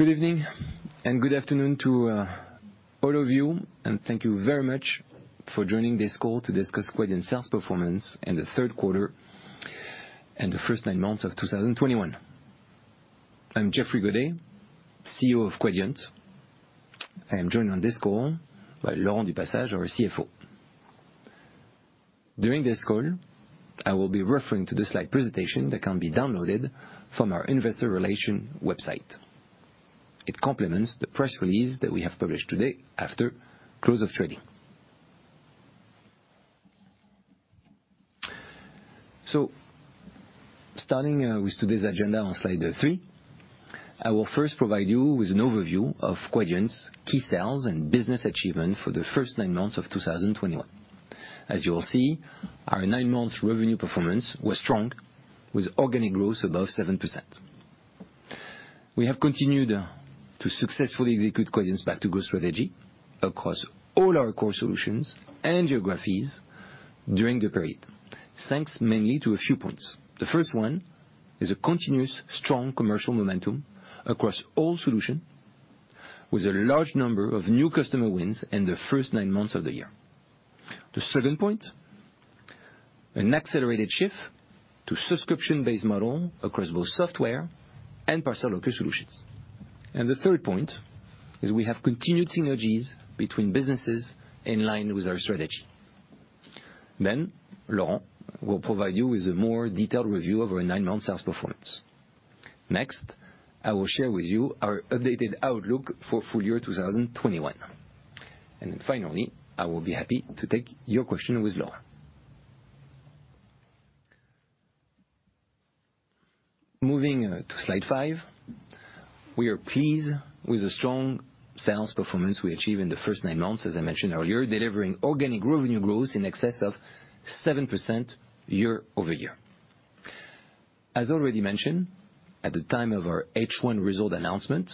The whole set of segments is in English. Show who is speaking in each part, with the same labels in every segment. Speaker 1: Good evening and good afternoon to all of you, and thank you very much for joining this call to discuss Quadient sales performance in the third quarter and the first nine months of 2021. I'm Geoffrey Godet, CEO of Quadient. I am joined on this call by Laurent du Passage, our CFO. During this call, I will be referring to the slide presentation that can be downloaded from our investor relations website. It complements the press release that we have published today after close of trading. Starting with today's agenda on slide three, I will first provide you with an overview of Quadient's key sales and business achievement for the first nine months of 2021. As you will see, our nine-month revenue performance was strong with organic growth above 7%. We have continued to successfully execute Quadient's Back to Growth strategy across all our core solutions and geographies during the period, thanks mainly to a few points. The first one is a continuous strong commercial momentum across all solutions with a large number of new customer wins in the first nine months of the year. The second point, an accelerated shift to subscription-based model across both software and parcel locker solutions. The third point is we have continued synergies between businesses in line with our strategy. Laurent will provide you with a more detailed review of our nine-month sales performance. Next, I will share with you our updated outlook for full year 2021. Finally, I will be happy to take your question with Laurent. Moving to slide five, we are pleased with the strong sales performance we achieved in the first nine months, as I mentioned earlier, delivering organic revenue growth in excess of 7% year-over-year. As already mentioned, at the time of our H1 result announcement,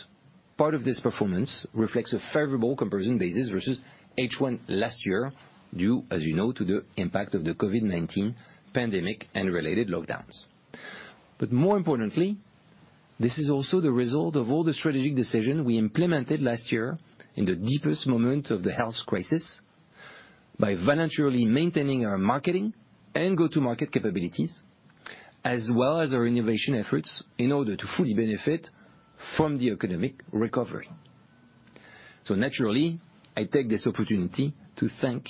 Speaker 1: part of this performance reflects a favorable comparison basis versus H1 last year, due, as you know, to the impact of the COVID-19 pandemic and related lockdowns. More importantly, this is also the result of all the strategic decision we implemented last year in the deepest moment of the health crisis by voluntarily maintaining our marketing and go-to-market capabilities, as well as our innovation efforts in order to fully benefit from the economic recovery. Naturally, I take this opportunity to thank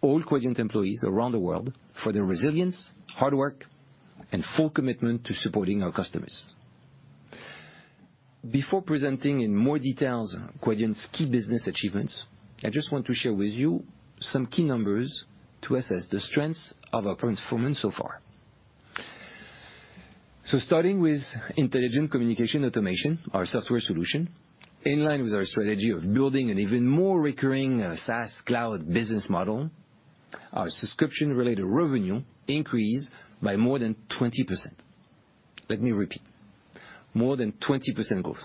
Speaker 1: all Quadient employees around the world for their resilience, hard work, and full commitment to supporting our customers. Before presenting in more details Quadient's key business achievements, I just want to share with you some key numbers to assess the strengths of our performance so far. Starting with Intelligent Communication Automation, our software solution, in line with our strategy of building an even more recurring SaaS cloud business model, our subscription related revenue increased by more than 20%. Let me repeat, more than 20% growth.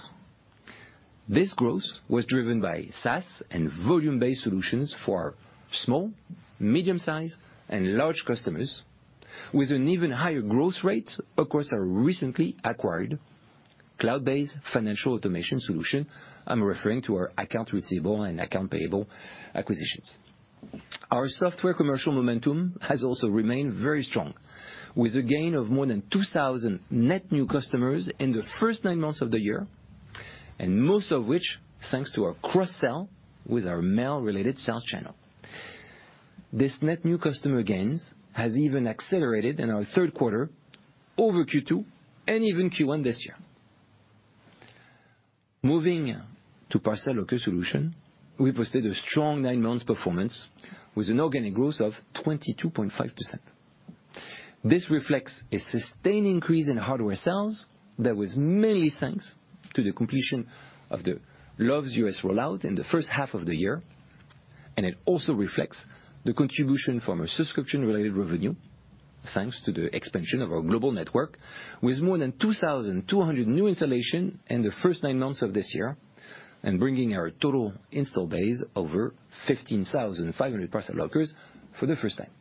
Speaker 1: This growth was driven by SaaS and volume-based solutions for small, medium-sized, and large customers with an even higher growth rate across our recently acquired cloud-based financial automation solution. I'm referring to our accounts receivable and accounts payable acquisitions. Our software commercial momentum has also remained very strong. With a gain of more than 2,000 net new customers in the first nine months of the year, and most of which, thanks to our cross-sell with our Mail Related sales channel. This net new customer gains has even accelerated in our third quarter over Q2 and even Q1 this year. Moving to parcel locker solution, we posted a strong nine-month performance with an organic growth of 22.5%. This reflects a sustained increase in hardware sales that was mainly thanks to the completion of the Lowe's U.S. rollout in the first half of the year, and it also reflects the contribution from a subscription-related revenue, thanks to the expansion of our global network with more than 2,200 new installations in the first nine months of this year, and bringing our total install base over 15,500 parcel lockers for the first time.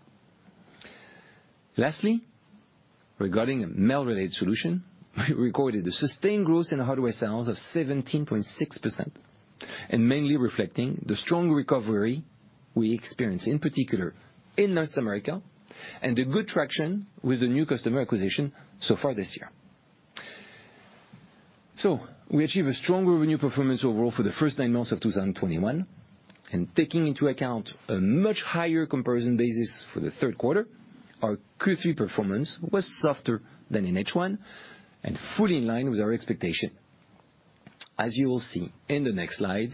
Speaker 1: Lastly, regarding Mail-Related Solutions, we recorded a sustained growth in hardware sales of 17.6%, and mainly reflecting the strong recovery we experienced, in particular in North America, and a good traction with the new customer acquisition so far this year. We achieved a strong revenue performance overall for the first nine months of 2021. Taking into account a much higher comparison basis for the third quarter, our Q3 performance was softer than in H1 and fully in line with our expectation. As you will see in the next slide,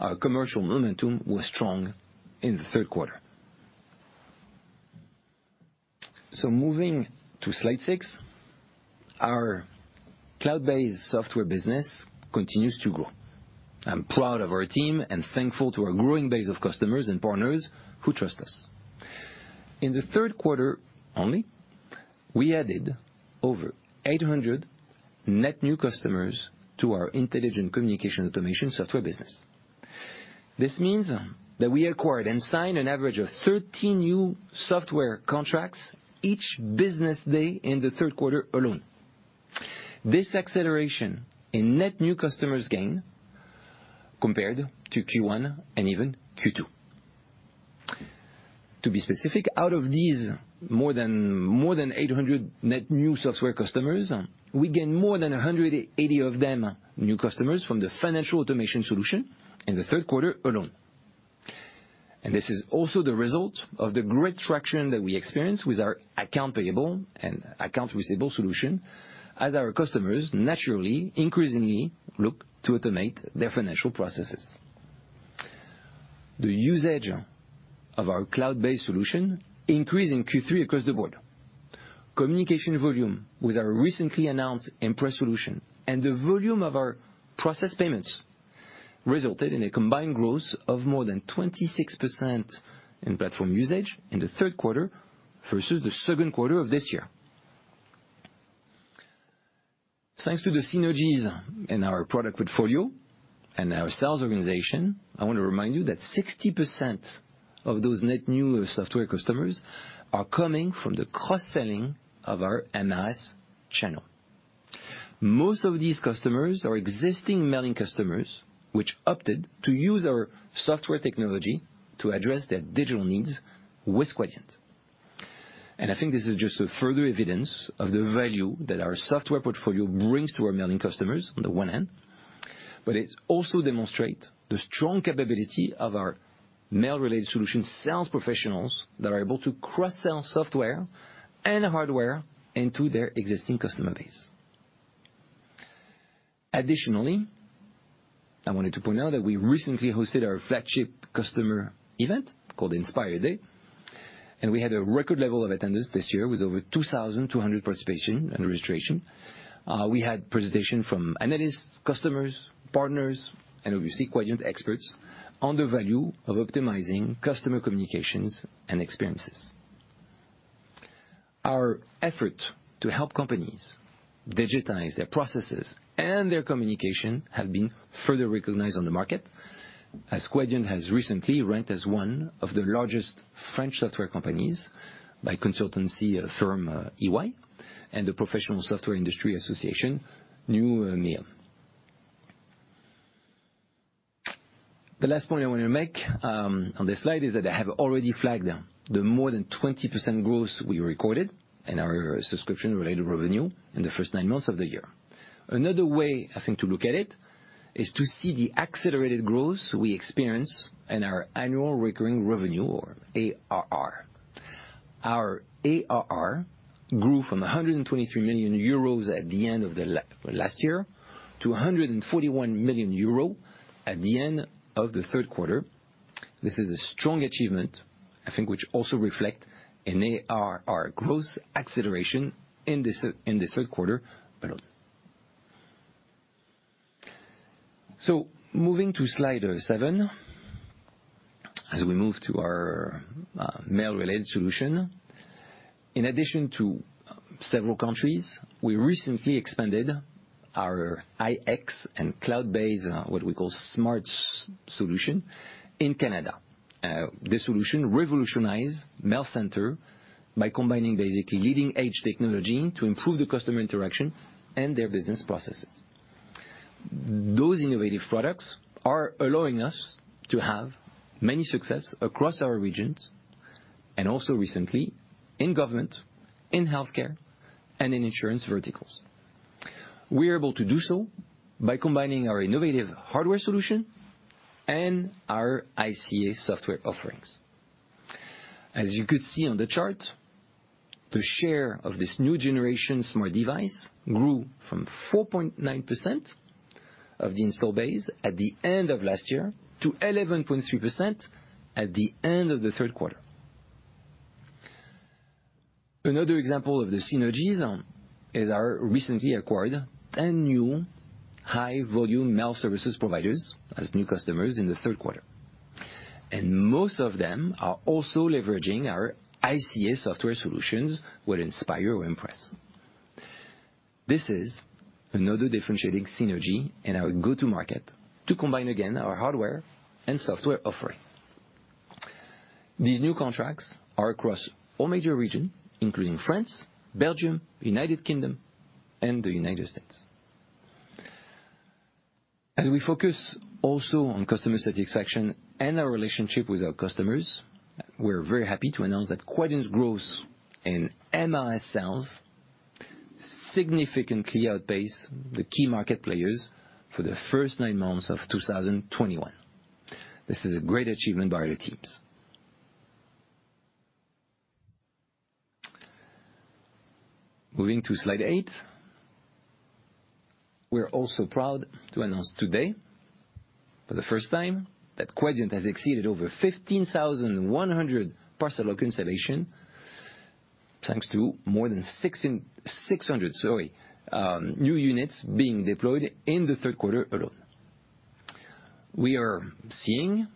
Speaker 1: our commercial momentum was strong in the third quarter. Moving to slide six, our cloud-based software business continues to grow. I'm proud of our team and thankful to our growing base of customers and partners who trust us. In the third quarter only, we added over 800 net new customers to our Intelligent Communication Automation software business. This means that we acquired and signed an average of 13 new software contracts each business day in the third quarter alone. This acceleration in net new customers gain compared to Q1 and even Q2. To be specific, out of these more than 800 net new software customers, we gain more than 180 of them new customers from the financial automation solution in the third quarter alone. This is also the result of the great traction that we experience with our accounts payable and accounts receivable solution as our customers naturally, increasingly look to automate their financial processes. The usage of our cloud-based solution increased in Q3 across the board. Communication volume with our recently announced Impress solution and the volume of our processed payments resulted in a combined growth of more than 26% in platform usage in the third quarter versus the second quarter of this year. Thanks to the synergies in our product portfolio and our sales organization, I want to remind you that 60% of those net new software customers are coming from the cross-selling of our MRS channel. Most of these customers are existing mailing customers which opted to use our software technology to address their digital needs with Quadient. I think this is just a further evidence of the value that our software portfolio brings to our mailing customers on the one hand, but it also demonstrate the strong capability of our mail-related solution sales professionals that are able to cross-sell software and hardware into their existing customer base. Additionally, I wanted to point out that we recently hosted our flagship customer event called Inspire Days, and we had a record level of attendance this year with over 2,200 participation and registration. We had presentation from analysts, customers, partners, and obviously, Quadient experts on the value of optimizing customer communications and experiences. Our effort to help companies digitize their processes and their communication have been further recognized on the market as Quadient has recently ranked as one of the largest French software companies by consultancy firm EY and the Professional Software Industry Association, Numeum. The last point I want to make on this slide is that I have already flagged the more than 20% growth we recorded in our subscription-related revenue in the first nine months of the year. Another way I think to look at it is to see the accelerated growth we experience in our annual recurring revenue or ARR. Our ARR grew from 123 million euros at the end of the last year to 141 million euros at the end of the third quarter. This is a strong achievement, I think, which also reflect an ARR growth acceleration in the third quarter alone. Moving to slide seven, as we move to our mail-related solution. In addition to several countries, we recently expanded our iX and cloud-based, what we call smart solution in Canada. This solution revolutionize mail center by combining basically leading-edge technology to improve the customer interaction and their business processes. Those innovative products are allowing us to have many success across our regions and also recently in government, in healthcare, and in insurance verticals. We are able to do so by combining our innovative hardware solution and our ICA software offerings. As you could see on the chart, the share of this new generation smart device grew from 4.9% of the installed base at the end of last year to 11.3% at the end of the third quarter. Another example of the synergies is our recently acquired 10 new high-volume mail services providers as new customers in the third quarter, and most of them are also leveraging our ICA software solutions with Inspire or Impress. This is another differentiating synergy in our go-to-market to combine again our hardware and software offering. These new contracts are across all major regions, including France, Belgium, United Kingdom, and the United States. As we focus also on customer satisfaction and our relationship with our customers, we're very happy to announce that Quadient's growth in MRS sales significantly outpace the key market players for the first 9 months of 2021. This is a great achievement by the teams. Moving to slide 8. We're also proud to announce today for the first time that Quadient has exceeded over 15,100 parcel locker installations thanks to more than 600 new units being deployed in the third quarter alone. We are seeing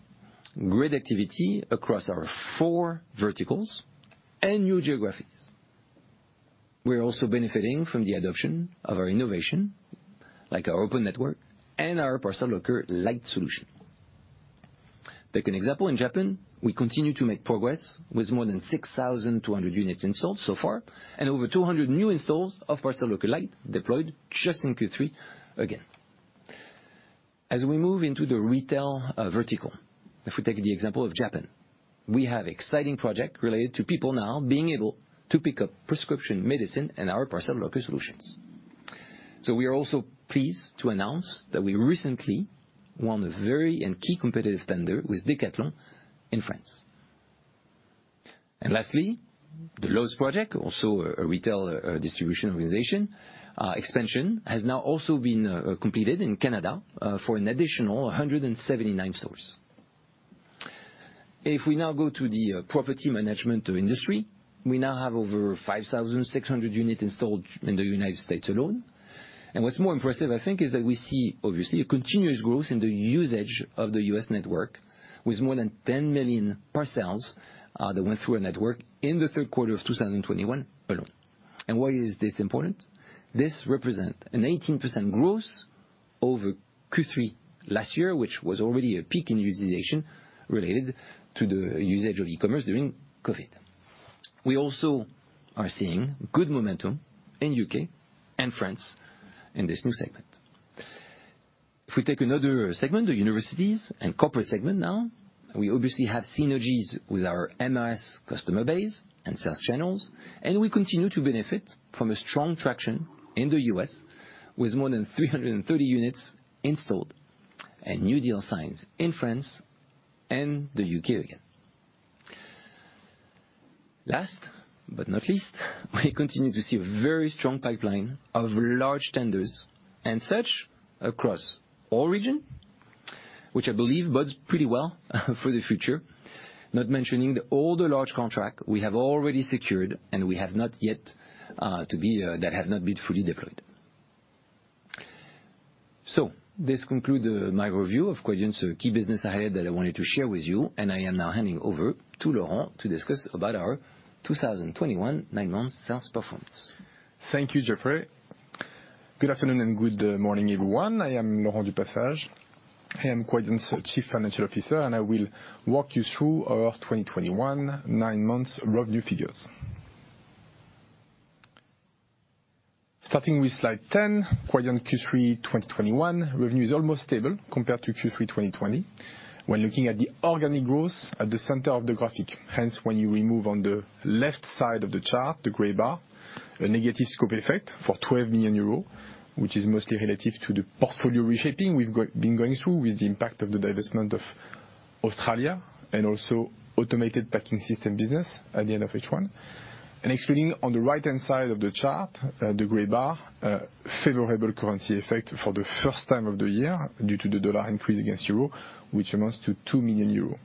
Speaker 1: great activity across our 4 verticals and new geographies. We're also benefiting from the adoption of our innovation, like our open network and our Parcel Pending Lite solution. Take an example in Japan. We continue to make progress with more than 6,200 units installed so far, and over 200 new installs of Parcel Pending Lite deployed just in Q3 again. As we move into the retail vertical, if we take the example of Japan, we have exciting project related to people now being able to pick up prescription medicine in our parcel locker solutions. We are also pleased to announce that we recently won a very key competitive tender with Decathlon in France. Lastly, the Lowe's project, also a retail distribution organization expansion, has now also been completed in Canada for an additional 179 stores. If we now go to the property management industry, we now have over 5,600 units installed in the United States alone. What's more impressive, I think, is that we see obviously a continuous growth in the usage of the U.S. network with more than 10 million parcels that went through our network in the third quarter of 2021 alone. Why is this important? This represents an 18% growth over Q3 last year, which was already a peak in utilization related to the usage of e-commerce during COVID-19. We also are seeing good momentum in U.K. and France in this new segment. If we take another segment, the universities and corporate segment now, we obviously have synergies with our MRS customer base and sales channels, and we continue to benefit from a strong traction in the U.S. with more than 330 units installed and new deals signed in France and the U.K. again. Last but not least, we continue to see a very strong pipeline of large tenders and such across all regions, which I believe bodes pretty well for the future, not mentioning all the large contracts we have already secured and that have not been fully deployed. This concludes my review of Quadient's key business highlights that I wanted to share with you. I am now handing over to Laurent to discuss our 2021 nine-month sales performance.
Speaker 2: Thank you, Geoffrey. Good afternoon and good morning, everyone. I am Laurent du Passage. I am Quadient's Chief Financial Officer, and I will walk you through our 2021 9 months revenue figures. Starting with slide 10, Quadient Q3 2021 revenue is almost stable compared to Q3 2020. When looking at the organic growth at the center of the graphic, hence when you remove on the left side of the chart, the gray bar, a negative scope effect for 12 million euros, which is mostly relative to the portfolio reshaping we've been going through with the impact of the divestment of Australia and also automated packing system business at the end of H1. Excluding on the right-hand side of the chart, the gray bar, favorable currency effect for the first time of the year due to the dollar increase against euro, which amounts to two million euros.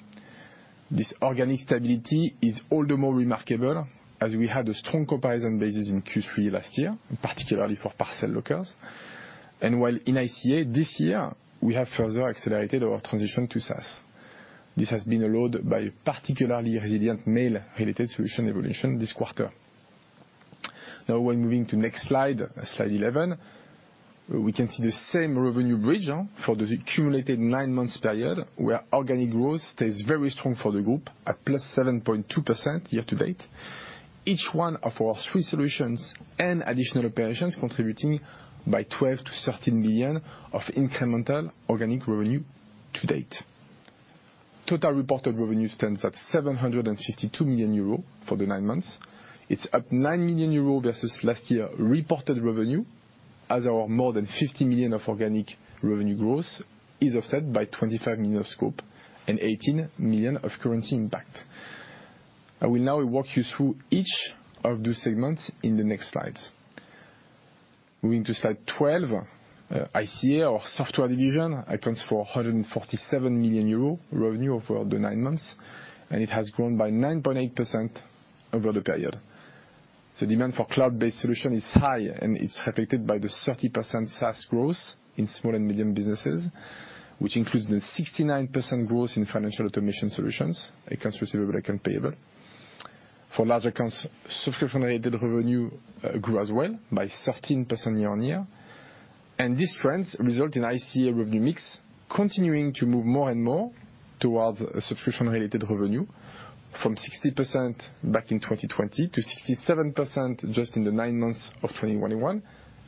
Speaker 2: This organic stability is all the more remarkable as we had a strong comparison basis in Q3 last year, particularly for parcel lockers. While in ICA this year, we have further accelerated our transition to SaaS. This has been allowed by a particularly resilient Mail-Related Solutions evolution this quarter. When moving to next slide 11, we can see the same revenue bridge for the cumulative nine months period where organic growth stays very strong for the group at +7.2% year to date. Each one of our three solutions and additional operations contributing by 12 to 13 billion of incremental organic revenue to date. Total reported revenue stands at 752 million euros for the nine months. It's up 9 million euros versus last year reported revenue as our more than 50 million of organic revenue growth is offset by 25 million of scope and 18 million of currency impact. I will now walk you through each of the segments in the next slides. Moving to slide 12, ICA, our software division, accounts for 147 million euros revenue over the nine months, and it has grown by 9.8% over the period. The demand for cloud-based solution is high, and it's reflected by the 30% SaaS growth in small and medium businesses, which includes the 69% growth in financial automation solutions, accounts receivable and account payable. For large accounts, subscription-related revenue grew as well by 13% year-on-year. These trends result in ICA revenue mix continuing to move more and more towards a subscription-related revenue from 60% back in 2020 to 67% just in the nine months of 2021,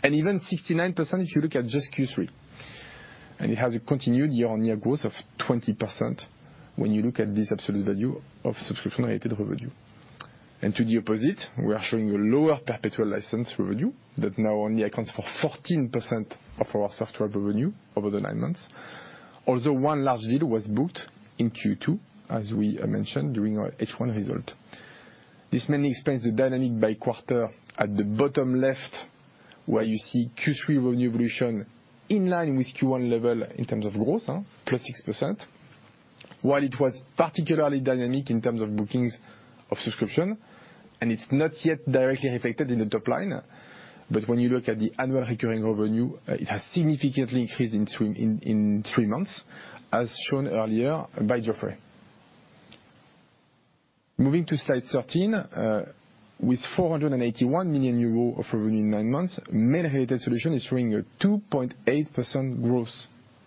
Speaker 2: and even 69% if you look at just Q3. It has a continued year-on-year growth of 20% when you look at this absolute value of subscription-related revenue. To the opposite, we are showing a lower perpetual license revenue that now only accounts for 14% of our software revenue over the nine months. Although one large deal was booked in Q2, as we mentioned during our H1 result. This mainly explains the dynamic by quarter at the bottom left, where you see Q3 revenue evolution in line with Q1 level in terms of growth, plus 6%. While it was particularly dynamic in terms of bookings of subscription, and it's not yet directly reflected in the top line, but when you look at the annual recurring revenue, it has significantly increased in three months, as shown earlier by Geoffrey. Moving to slide 13, with 481 million euros of revenue in nine months, Mail Related Solutions is showing a 2.8% growth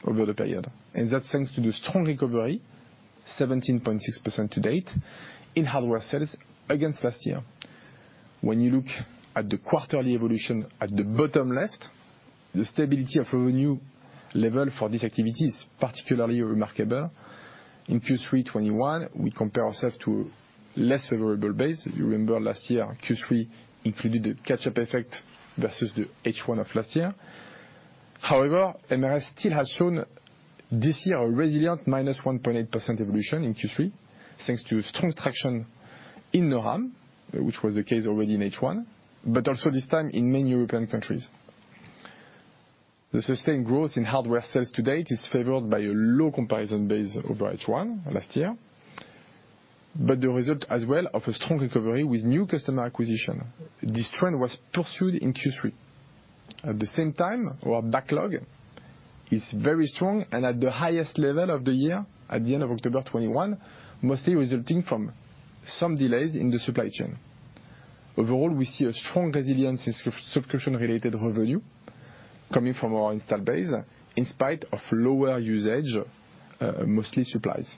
Speaker 2: over the period. That's thanks to the strong recovery, 17.6% to date, in hardware sales against last year. When you look at the quarterly evolution at the bottom left, the stability of revenue level for this activity is particularly remarkable. In Q3 2021, we compare ourselves to less favorable base. You remember last year, Q3 included the catch-up effect versus the H1 of last year. However, MRS still has shown this year a resilient -1.8% evolution in Q3, thanks to strong traction in NORAM, which was the case already in H1, but also this time in many European countries. The sustained growth in hardware sales to date is favored by a low comparison base over H1 last year, but the result as well of a strong recovery with new customer acquisition. This trend was pursued in Q3. At the same time, our backlog is very strong and at the highest level of the year at the end of October 2021, mostly resulting from some delays in the supply chain. Overall, we see a strong resilience in subscription-related revenue coming from our installed base, in spite of lower usage, mostly supplies.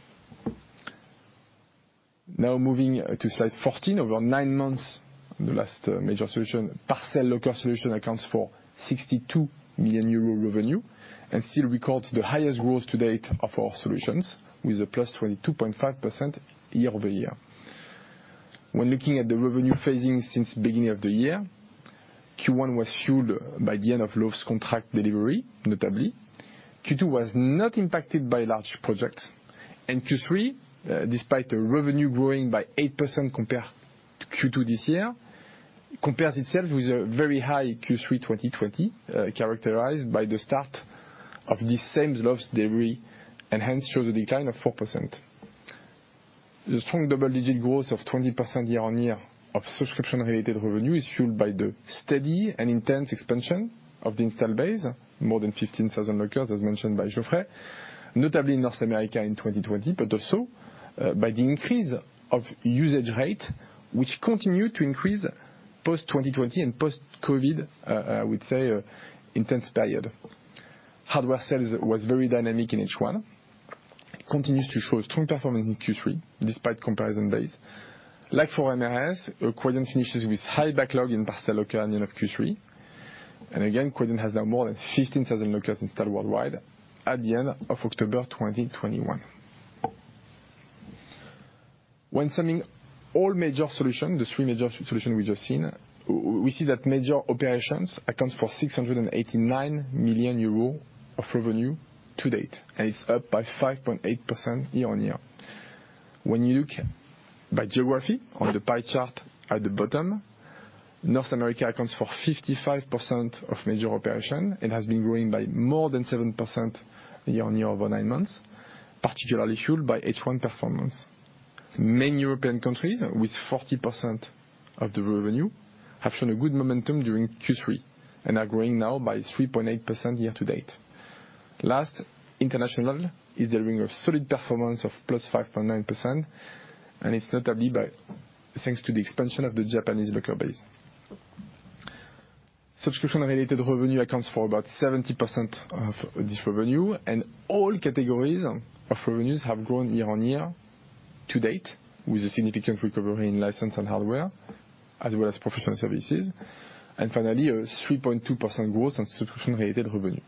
Speaker 2: Now moving to slide 14. Over nine months, the last major solution, parcel locker solution accounts for 62 million euro revenue and still records the highest growth to date of our solutions with a +22.5% year-over-year. When looking at the revenue phasing since beginning of the year, Q1 was fueled by the end of Lofts contract delivery, notably. Q2 was not impacted by large projects. Q3, despite the revenue growing by 8% compared to Q2 this year, compares itself with a very high Q3 2020, characterized by the start of the same Lofts delivery, and hence shows a decline of 4%. The strong double-digit growth of 20% year-on-year of subscription-related revenue is fueled by the steady and intense expansion of the installed base, more than 15,000 lockers, as mentioned by Geoffrey, notably in North America in 2020, but also by the increase of usage rate, which continued to increase post-2020 and post-COVID, I would say, intense period. Hardware sales was very dynamic in H1, continues to show a strong performance in Q3 despite comparison base. Like for MRS, Quadient finishes with high backlog in parcel locker end of Q3. Again, Quadient has now more than 15,000 lockers installed worldwide at the end of October 2021. When summing all major solution, the three major solution we've just seen, we see that major operations accounts for 689 million euro of revenue to date, and it's up by 5.8% year-on-year. When you look by geography on the pie chart at the bottom, North America accounts for 55% of major operation and has been growing by more than 7% year-on-year over nine months, particularly fueled by H1 performance. Many European countries with 40% of the revenue have shown a good momentum during Q3 and are growing now by 3.8% year to date. Last, international level is delivering a solid performance of +5.9%, and it's notably thanks to the expansion of the Japanese locker base. Subscription-related revenue accounts for about 70% of this revenue, and all categories of revenues have grown year-on-year to date with a significant recovery in license and hardware as well as professional services, and finally, a 3.2% growth on subscription-related revenue.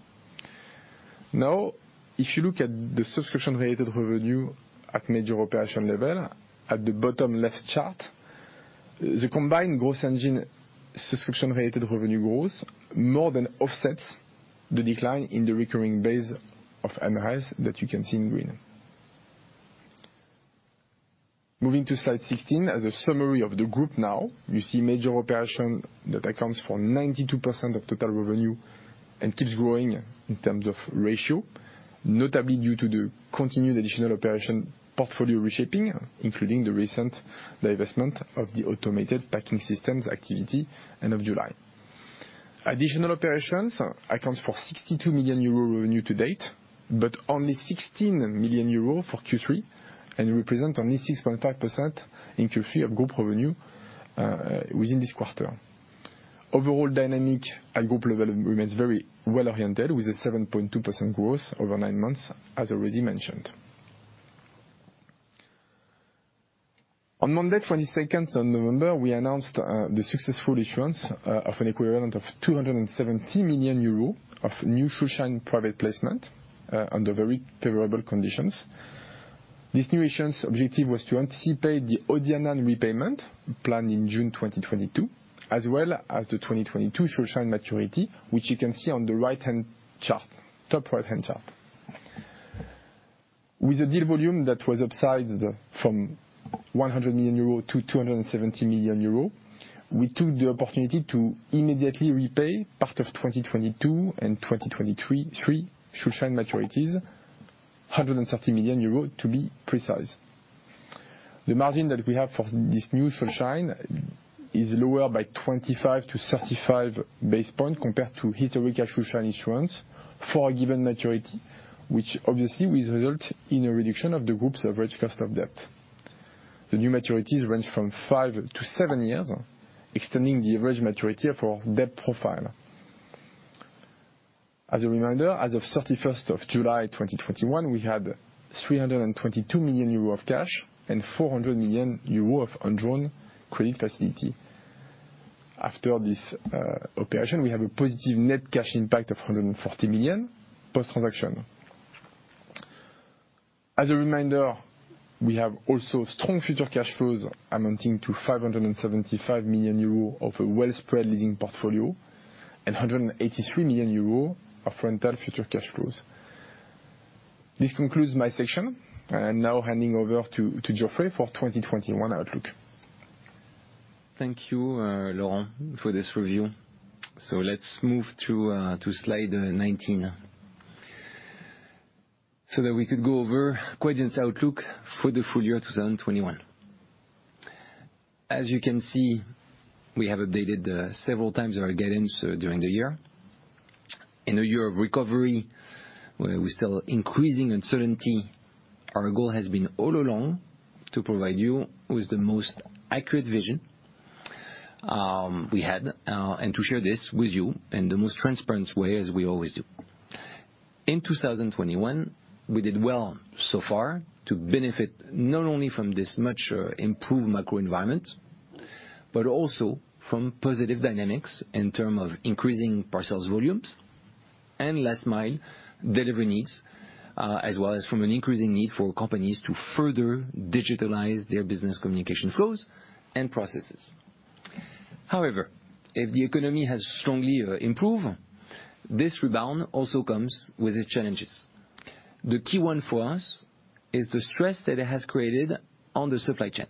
Speaker 2: Now, if you look at the subscription-related revenue at major operation level at the bottom left chart, the combined growth engine subscription-related revenue growth more than offsets the decline in the recurring base of MRS that you can see in green. Moving to slide 16. As a summary of the group now, you see major operation that accounts for 92% of total revenue and keeps growing in terms of ratio, notably due to the continued additional operation portfolio reshaping, including the recent divestment of the automated packing systems activity end of July. Additional operations accounts for 62 million euro revenue to date, but only 16 million euro for Q3 and represent only 6.5% in Q3 of group revenue within this quarter. Overall dynamic at group level remains very well oriented with a 7.2% growth over nine months as already mentioned. On Monday, 22nd of November, we announced the successful issuance of an equivalent of 270 million euro of new Schuldschein private placement under very favorable conditions. This new issuance objective was to anticipate the OCEANE repayment planned in June 2022, as well as the 2022 Schuldschein maturity, which you can see on the right-hand chart, top right-hand chart. With a deal volume that was up from 100 million euro to 270 million euro, we took the opportunity to immediately repay part of 2022 and 2023, three Schuldschein maturities, 130 million euros to be precise. The margin that we have for this new Schuldschein is lower by 25-35 basis points compared to historic cash flow issuance for a given maturity, which obviously will result in a reduction of the group's average cost of debt. The new maturities range from 5-7 years, extending the average maturity of our debt profile. As a reminder, as of July 31, 2021, we had 322 million euro of cash and 400 million euro of undrawn credit facility. After this operation, we have a positive net cash impact of 140 million post-transaction. As a reminder, we have also strong future cash flows amounting to 575 million euros of a well spread leasing portfolio and 183 million euros of rental future cash flows. This concludes my section, and now handing over to Geoffrey for 2021 outlook.
Speaker 1: Thank you, Laurent, for this review. Let's move to slide 19 so that we could go over Quadient's outlook for the full year 2021. As you can see, we have updated several times our guidance during the year. In a year of recovery, where we're still facing increasing uncertainty, our goal has been all along to provide you with the most accurate vision we had and to share this with you in the most transparent way, as we always do. In 2021, we did well so far to benefit not only from this much improved macro environment, but also from positive dynamics in terms of increasing parcel volumes and last mile delivery needs, as well as from an increasing need for companies to further digitalize their business communication flows and processes. However, if the economy has strongly improved, this rebound also comes with its challenges. The key one for us is the stress that it has created on the supply chain.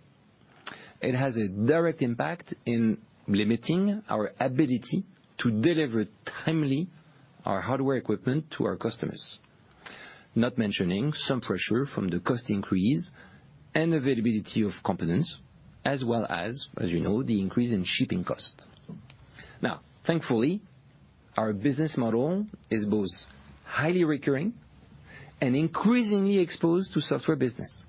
Speaker 1: It has a direct impact in limiting our ability to deliver timely our hardware equipment to our customers, not mentioning some pressure from the cost increase and availability of components, as well as you know, the increase in shipping costs. Now, thankfully, our business model is both highly recurring and increasingly exposed to software business.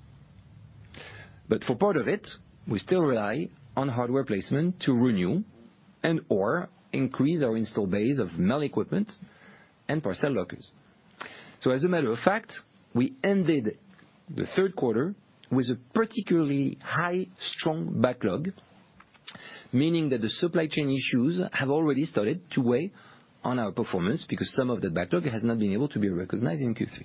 Speaker 1: For part of it, we still rely on hardware placement to renew and/or increase our install base of mail equipment and parcel lockers. As a matter of fact, we ended the third quarter with a particularly high strong backlog, meaning that the supply chain issues have already started to weigh on our performance because some of the backlog has not been able to be recognized in Q3.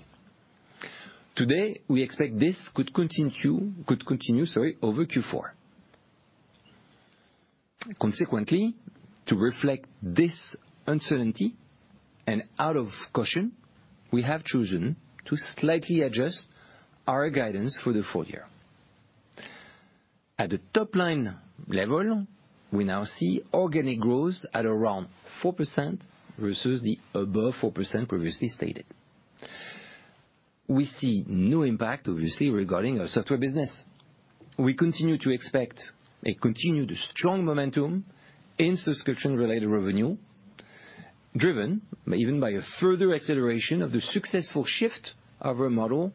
Speaker 1: Today, we expect this could continue, sorry, over Q4. Consequently, to reflect this uncertainty and out of caution, we have chosen to slightly adjust our guidance for the full year. At the top line level, we now see organic growth at around 4% versus the above 4% previously stated. We see no impact, obviously, regarding our software business. We continue to expect a continued strong momentum in subscription-related revenue, driven even by a further acceleration of the successful shift of our model,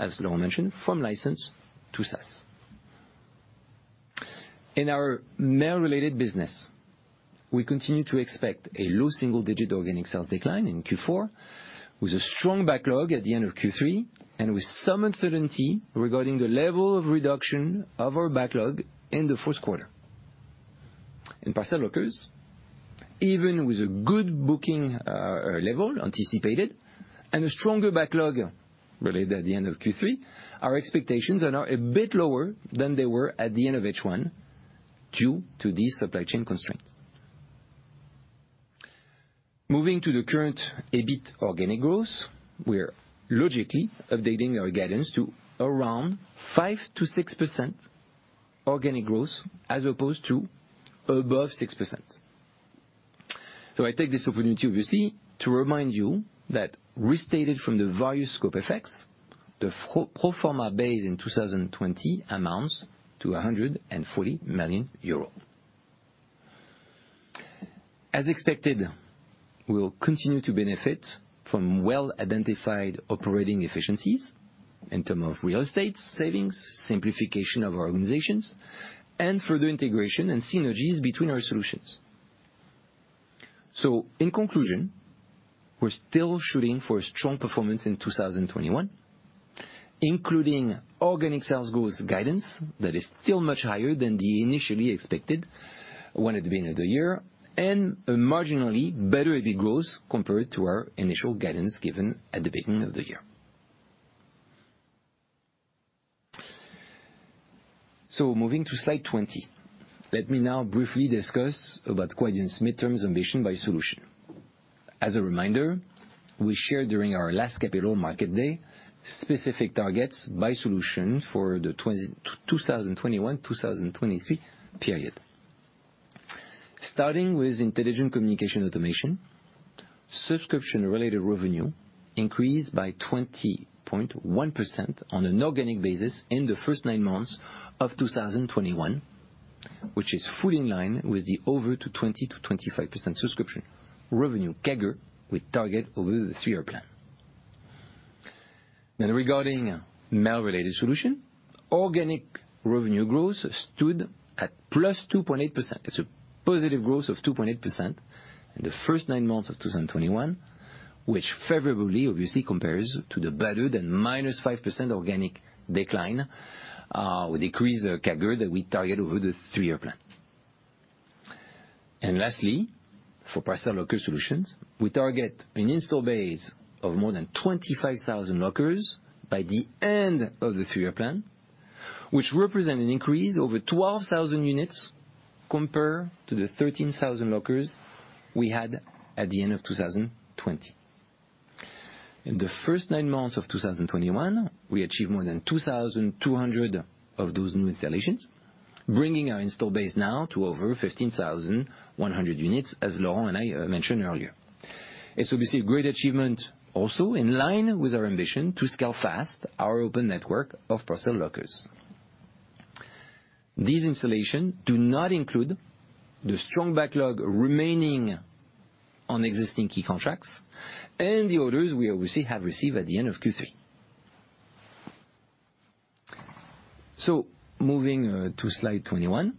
Speaker 1: as Laurent mentioned, from license to SaaS. In our mail-related business, we continue to expect a low single-digit organic sales decline in Q4 with a strong backlog at the end of Q3 and with some uncertainty regarding the level of reduction of our backlog in the first quarter. In parcel lockers, even with a good booking level anticipated and a stronger backlog at the end of Q3, our expectations are now a bit lower than they were at the end of H1 due to these supply chain constraints. Moving to the current EBIT organic growth, we're logically updating our guidance to around 5%-6% organic growth as opposed to above 6%. I take this opportunity, obviously, to remind you that restated from the various scope effects, the pro forma base in 2020 amounts to EUR 140 million. As expected, we will continue to benefit from well-identified operating efficiencies in terms of real estate savings, simplification of our organizations, and further integration and synergies between our solutions. In conclusion, we're still shooting for a strong performance in 2021, including organic sales growth guidance that is still much higher than the initially expected when at the beginning of the year, and a marginally better EBIT growth compared to our initial guidance given at the beginning of the year. Moving to slide 20. Let me now briefly discuss about Quadient's mid-term ambition by solution. As a reminder, we shared during our last Capital Markets Day specific targets by solution for the 2021-2023 period. Starting with Intelligent Communication Automation, subscription-related revenue increased by 20.1% on an organic basis in the first nine months of 2021, which is fully in line with the 20%-25% subscription revenue CAGR target over the three-year plan. Regarding Mail-Related Solutions, organic revenue growth stood at +2.8%. It's a positive growth of 2.8% in the first nine months of 2021, which favorably obviously compares to the targeted -5% organic decline CAGR that we target over the three-year plan. Lastly, for parcel locker solutions, we target an install base of more than 25,000 lockers by the end of the three-year plan, which represent an increase over 12,000 units compared to the 13,000 lockers we had at the end of 2020. In the first nine months of 2021, we achieved more than 2,200 of those new installations, bringing our install base now to over 15,100 units, as Laurent and I mentioned earlier. It's obviously a great achievement also in line with our ambition to scale fast our open network of parcel lockers. These installations do not include the strong backlog remaining on existing key contracts and the orders we obviously have received at the end of Q3. Moving to slide 21.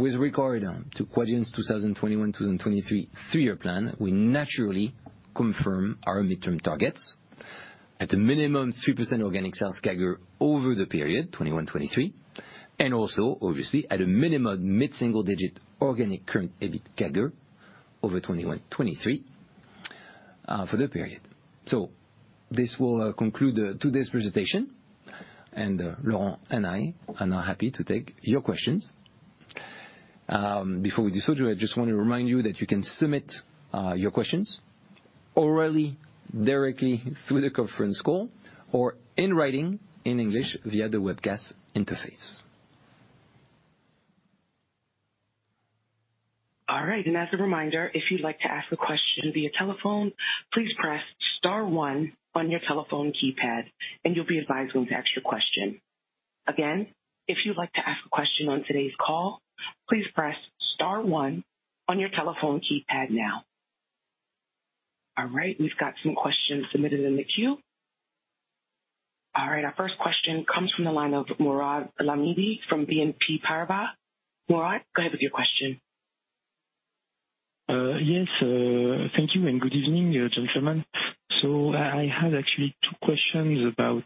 Speaker 1: With regard to Quadient's 2021-2023 three-year plan, we naturally confirm our midterm targets. At a minimum, 3% organic sales CAGR over the period, 2021, 2023, and also obviously at a minimum mid-single digit organic current EBIT CAGR over 2021, 2023, for the period. This will conclude today's presentation, and Laurent and I are now happy to take your questions. Before we do so, I just want to remind you that you can submit your questions orally, directly through the conference call or in writing in English via the webcast interface.
Speaker 3: All right. As a reminder, if you'd like to ask a question via telephone, please press star one on your telephone keypad, and you'll be advised when to ask your question. Again, if you'd like to ask a question on today's call, please press star one on your telephone keypad now. All right, we've got some questions submitted in the queue. All right, our first question comes from the line of Mourad Lahmidi from Exane BNP Paribas. Mourad, go ahead with your question.
Speaker 4: Yes, thank you and good evening, gentlemen. I had actually two questions about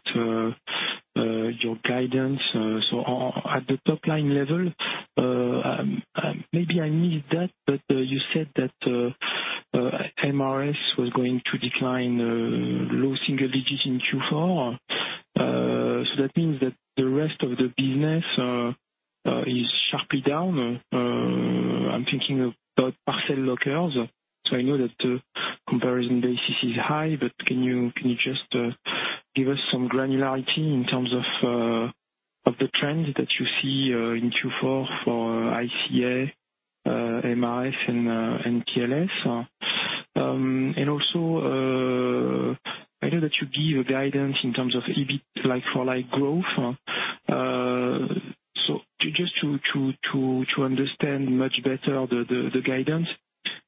Speaker 4: your guidance. At the top line level, maybe I missed that, but you said that MRS was going to decline low single digits in Q4. That means that the rest of the business is sharply down. I'm thinking about parcel lockers. I know that the comparison basis is high, but can you just give us some granularity in terms of the trends that you see in Q4 for ICA, MRS and PLS. Also, I know that you give a guidance in terms of EBIT like-for-like growth. Just to understand much better the guidance,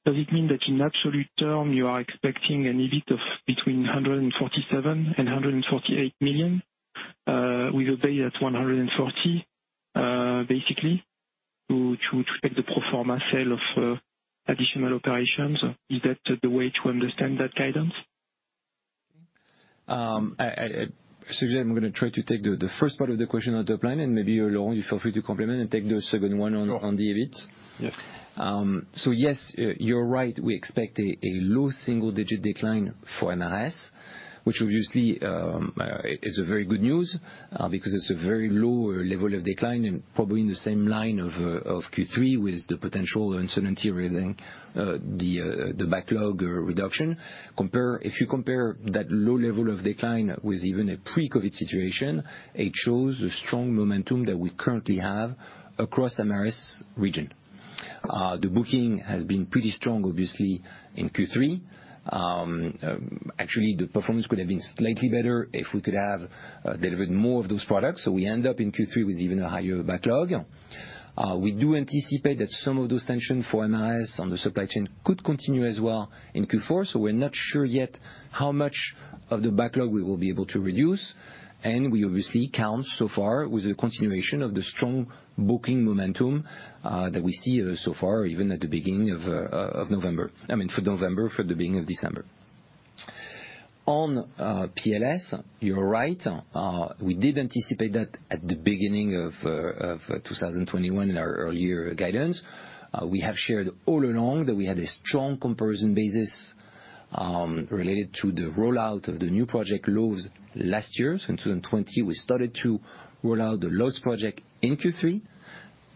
Speaker 4: does it mean that in absolute term you are expecting an EBIT of between 147 million and 148 million, with a base at 140 million, basically to expect the pro forma sale of additional operations? Is that the way to understand that guidance?
Speaker 1: Cesar, I'm gonna try to take the first part of the question on the top line, and maybe, Laurent, you feel free to complement and take the second one on- Sure. On the EBIT. Yes. So yes, you're right, we expect a low single-digit decline for MRS, which obviously, is a very good news, because it's a very low level of decline and probably in the same line of Q3 with the potential uncertainty relating the backlog reduction. If you compare that low level of decline with even a pre-COVID situation, it shows the strong momentum that we currently have across MRS region. The booking has been pretty strong obviously in Q3. Actually the performance could have been slightly better if we could have delivered more of those products. We end up in Q3 with even a higher backlog. We do anticipate that some of those tensions for MRS on the supply chain could continue as well in Q4, so we're not sure yet how much of the backlog we will be able to reduce. We obviously count so far with the continuation of the strong booking momentum that we see so far, even at the beginning of November, I mean, for November, for the beginning of December. On PLS, you're right. We did anticipate that at the beginning of 2021 in our earlier guidance. We have shared all along that we had a strong comparison basis related to the rollout of the new project lows last year. In 2022, we started to roll out the Lowe's project in Q3.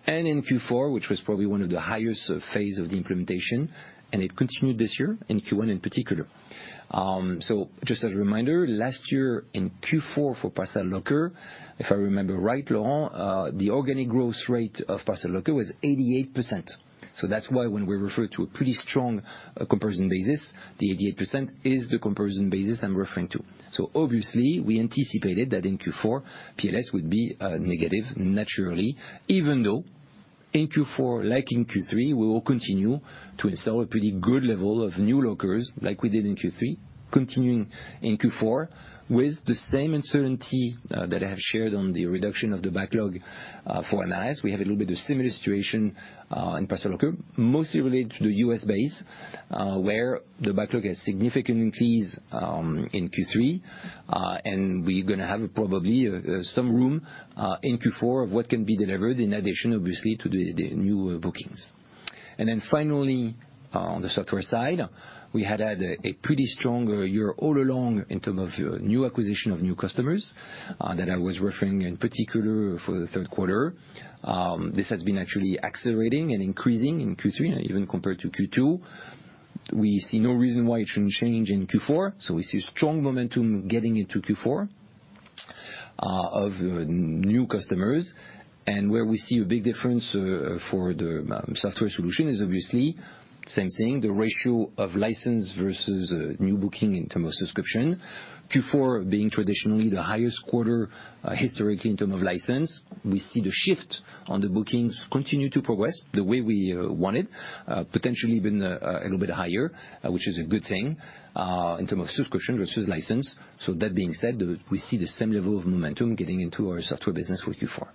Speaker 1: In Q4, which was probably one of the highest phase of the implementation, and it continued this year in Q1 in particular. Just as a reminder, last year in Q4 for parcel locker, if I remember right, Laurent, the organic growth rate of parcel locker was 88%. That's why when we refer to a pretty strong comparison basis, the 88% is the comparison basis I'm referring to. Obviously we anticipated that in Q4 PLS would be negative naturally, even though in Q4, like in Q3, we will continue to install a pretty good level of new lockers like we did in Q3, continuing in Q4 with the same uncertainty that I have shared on the reduction of the backlog for NIS. We have a little bit of similar situation in parcel locker, mostly related to the U.S. base, where the backlog has significantly increased in Q3. We're gonna have probably some room in Q4 of what can be delivered in addition obviously to the new bookings. Then finally, on the software side, we had a pretty strong year all along in terms of new acquisition of new customers that I was referring in particular for the third quarter. This has been actually accelerating and increasing in Q3 even compared to Q2. We see no reason why it shouldn't change in Q4. We see strong momentum getting into Q4 of new customers. Where we see a big difference for the software solution is obviously same thing, the ratio of license versus new booking in terms of subscription. Q4 being traditionally the highest quarter historically in terms of license, we see the shift on the bookings continue to progress the way we want it potentially even a little bit higher, which is a good thing in terms of subscription versus license. That being said, we see the same level of momentum getting into our software business for Q4.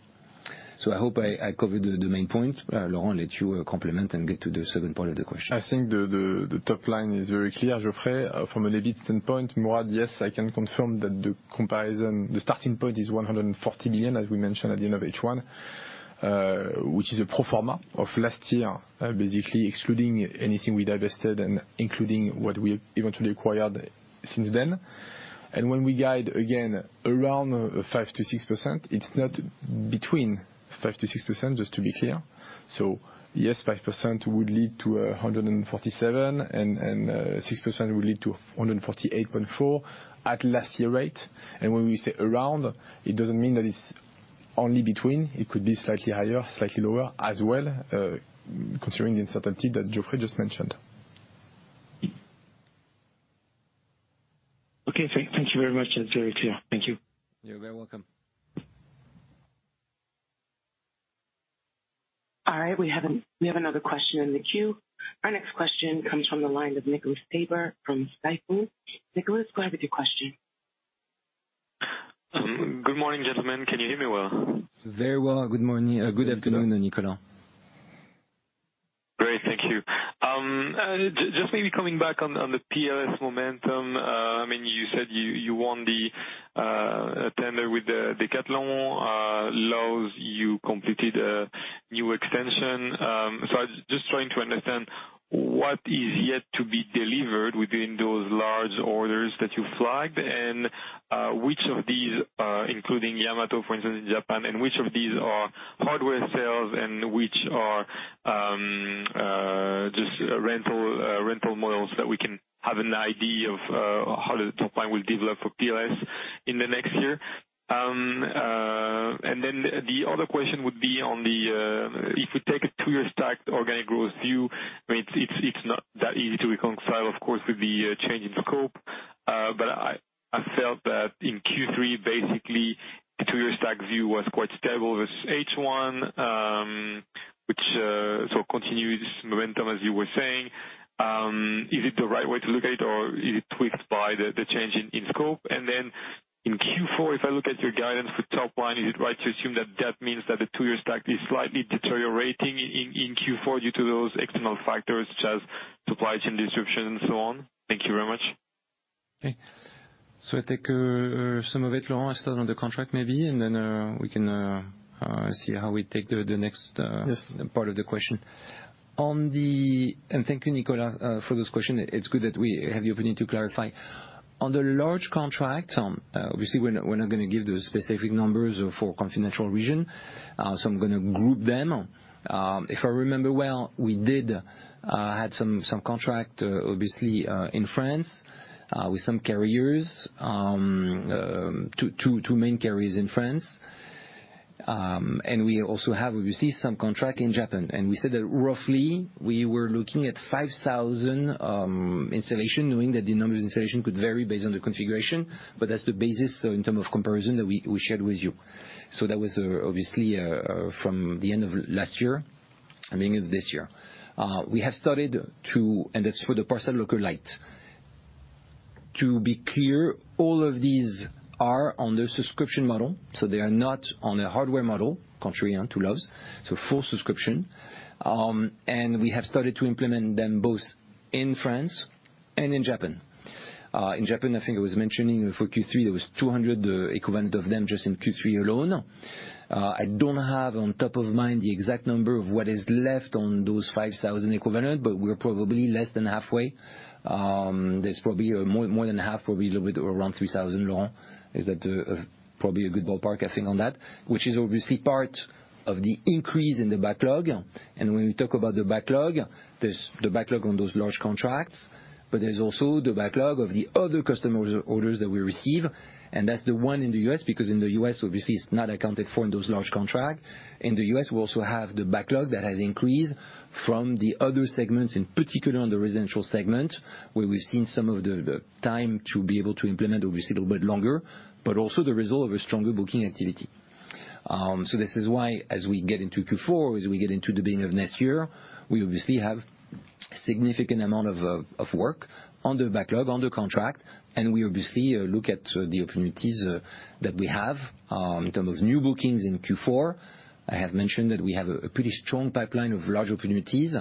Speaker 1: I hope I covered the main point. Laurent, I'll let you complement and get to the second part of the question.
Speaker 2: I think the top line is very clear, Geoffrey. From an EBIT standpoint, Mourad, yes, I can confirm that the comparison, the starting point is 140 million as we mentioned at the end of H1, which is a pro forma of last year, basically excluding anything we divested and including what we eventually acquired since then. When we guide again around 5%-6%, it's not between 5%-6%, just to be clear. Yes, 5% would lead to 147, and six percent would lead to 148.4 at last year rate. When we say around, it doesn't mean that it's only between, it could be slightly higher, slightly lower as well, considering the uncertainty that Geoffrey just mentioned.
Speaker 4: Okay. Thank you very much. That's very clear. Thank you.
Speaker 1: You're very welcome.
Speaker 3: All right. We have another question in the queue. Our next question comes from the line of Nicolas Tabor from Jefferies. Nicolas, go ahead with your question.
Speaker 5: Good morning, gentlemen. Can you hear me well?
Speaker 1: Very well. Good morning. Good afternoon, Nicolas.
Speaker 5: Great. Thank you. Just maybe coming back on the PLS momentum. I mean, you said you won the tender with the Decathlon, Lowe's, you completed a new extension. So I was just trying to understand what is yet to be delivered within those large orders that you flagged and which of these, including Yamato, for instance, in Japan, and which of these are hardware sales and which are just rental models that we can have an idea of how the top line will develop for PLS in the next year. And then the other question would be on the if we take a two-year stack organic growth view. I mean, it's not that easy to reconcile of course with the change in scope. I felt that in Q3 basically the two-year stack view was quite stable with H1, which so continuous momentum as you were saying, is it the right way to look at it or is it tweaked by the change in scope? In Q4 if I look at your guidance for top line, is it right to assume that that means that the two-year stack is slightly deteriorating in Q4 due to those external factors such as supply chain disruption and so on? Thank you very much.
Speaker 1: Okay. I take some of it, Laurent. I start on the contract maybe, and then we can see how we take the next.
Speaker 2: Yes.
Speaker 1: Part of the question. Thank you, Nicolas, for this question. It's good that we have the opportunity to clarify. On the large contract, obviously, we're not gonna give the specific numbers for confidential reason, so I'm gonna group them. If I remember well, we had some contract obviously in France with some carriers, two main carriers in France. We also have obviously some contract in Japan. We said that roughly we were looking at 5,000 installation, knowing that the number of installation could vary based on the configuration, but that's the basis in term of comparison that we shared with you. That was obviously from the end of last year, I mean, this year. That's for the Parcel Pending Lite. To be clear, all of these are on the subscription model, so they are not on a hardware model contrary to Lowe's, so full subscription. We have started to implement them both in France and in Japan. In Japan, I think I was mentioning for Q3 there was 200 equivalent of them just in Q3 alone. I don't have top of mind the exact number of what is left of those 5,000 equivalent, but we're probably less than halfway. There's probably more than half, probably a little bit around 3,000. Laurent, is that right? Probably a good ballpark, I think, on that, which is obviously part of the increase in the backlog. When we talk about the backlog, there's the backlog on those large contracts, but there's also the backlog of the other customers orders that we receive, and that's the one in the U.S. because in the U.S., obviously, it's not accounted for in those large contracts. In the U.S., we also have the backlog that has increased from the other segments, in particular on the residential segment, where we've seen some of the time to be able to implement, obviously, a little bit longer, but also the result of a stronger booking activity. This is why as we get into Q4, as we get into the beginning of next year, we obviously have significant amount of work on the backlog, on the contract, and we obviously look at the opportunities that we have in terms of new bookings in Q4. I have mentioned that we have a pretty strong pipeline of large opportunities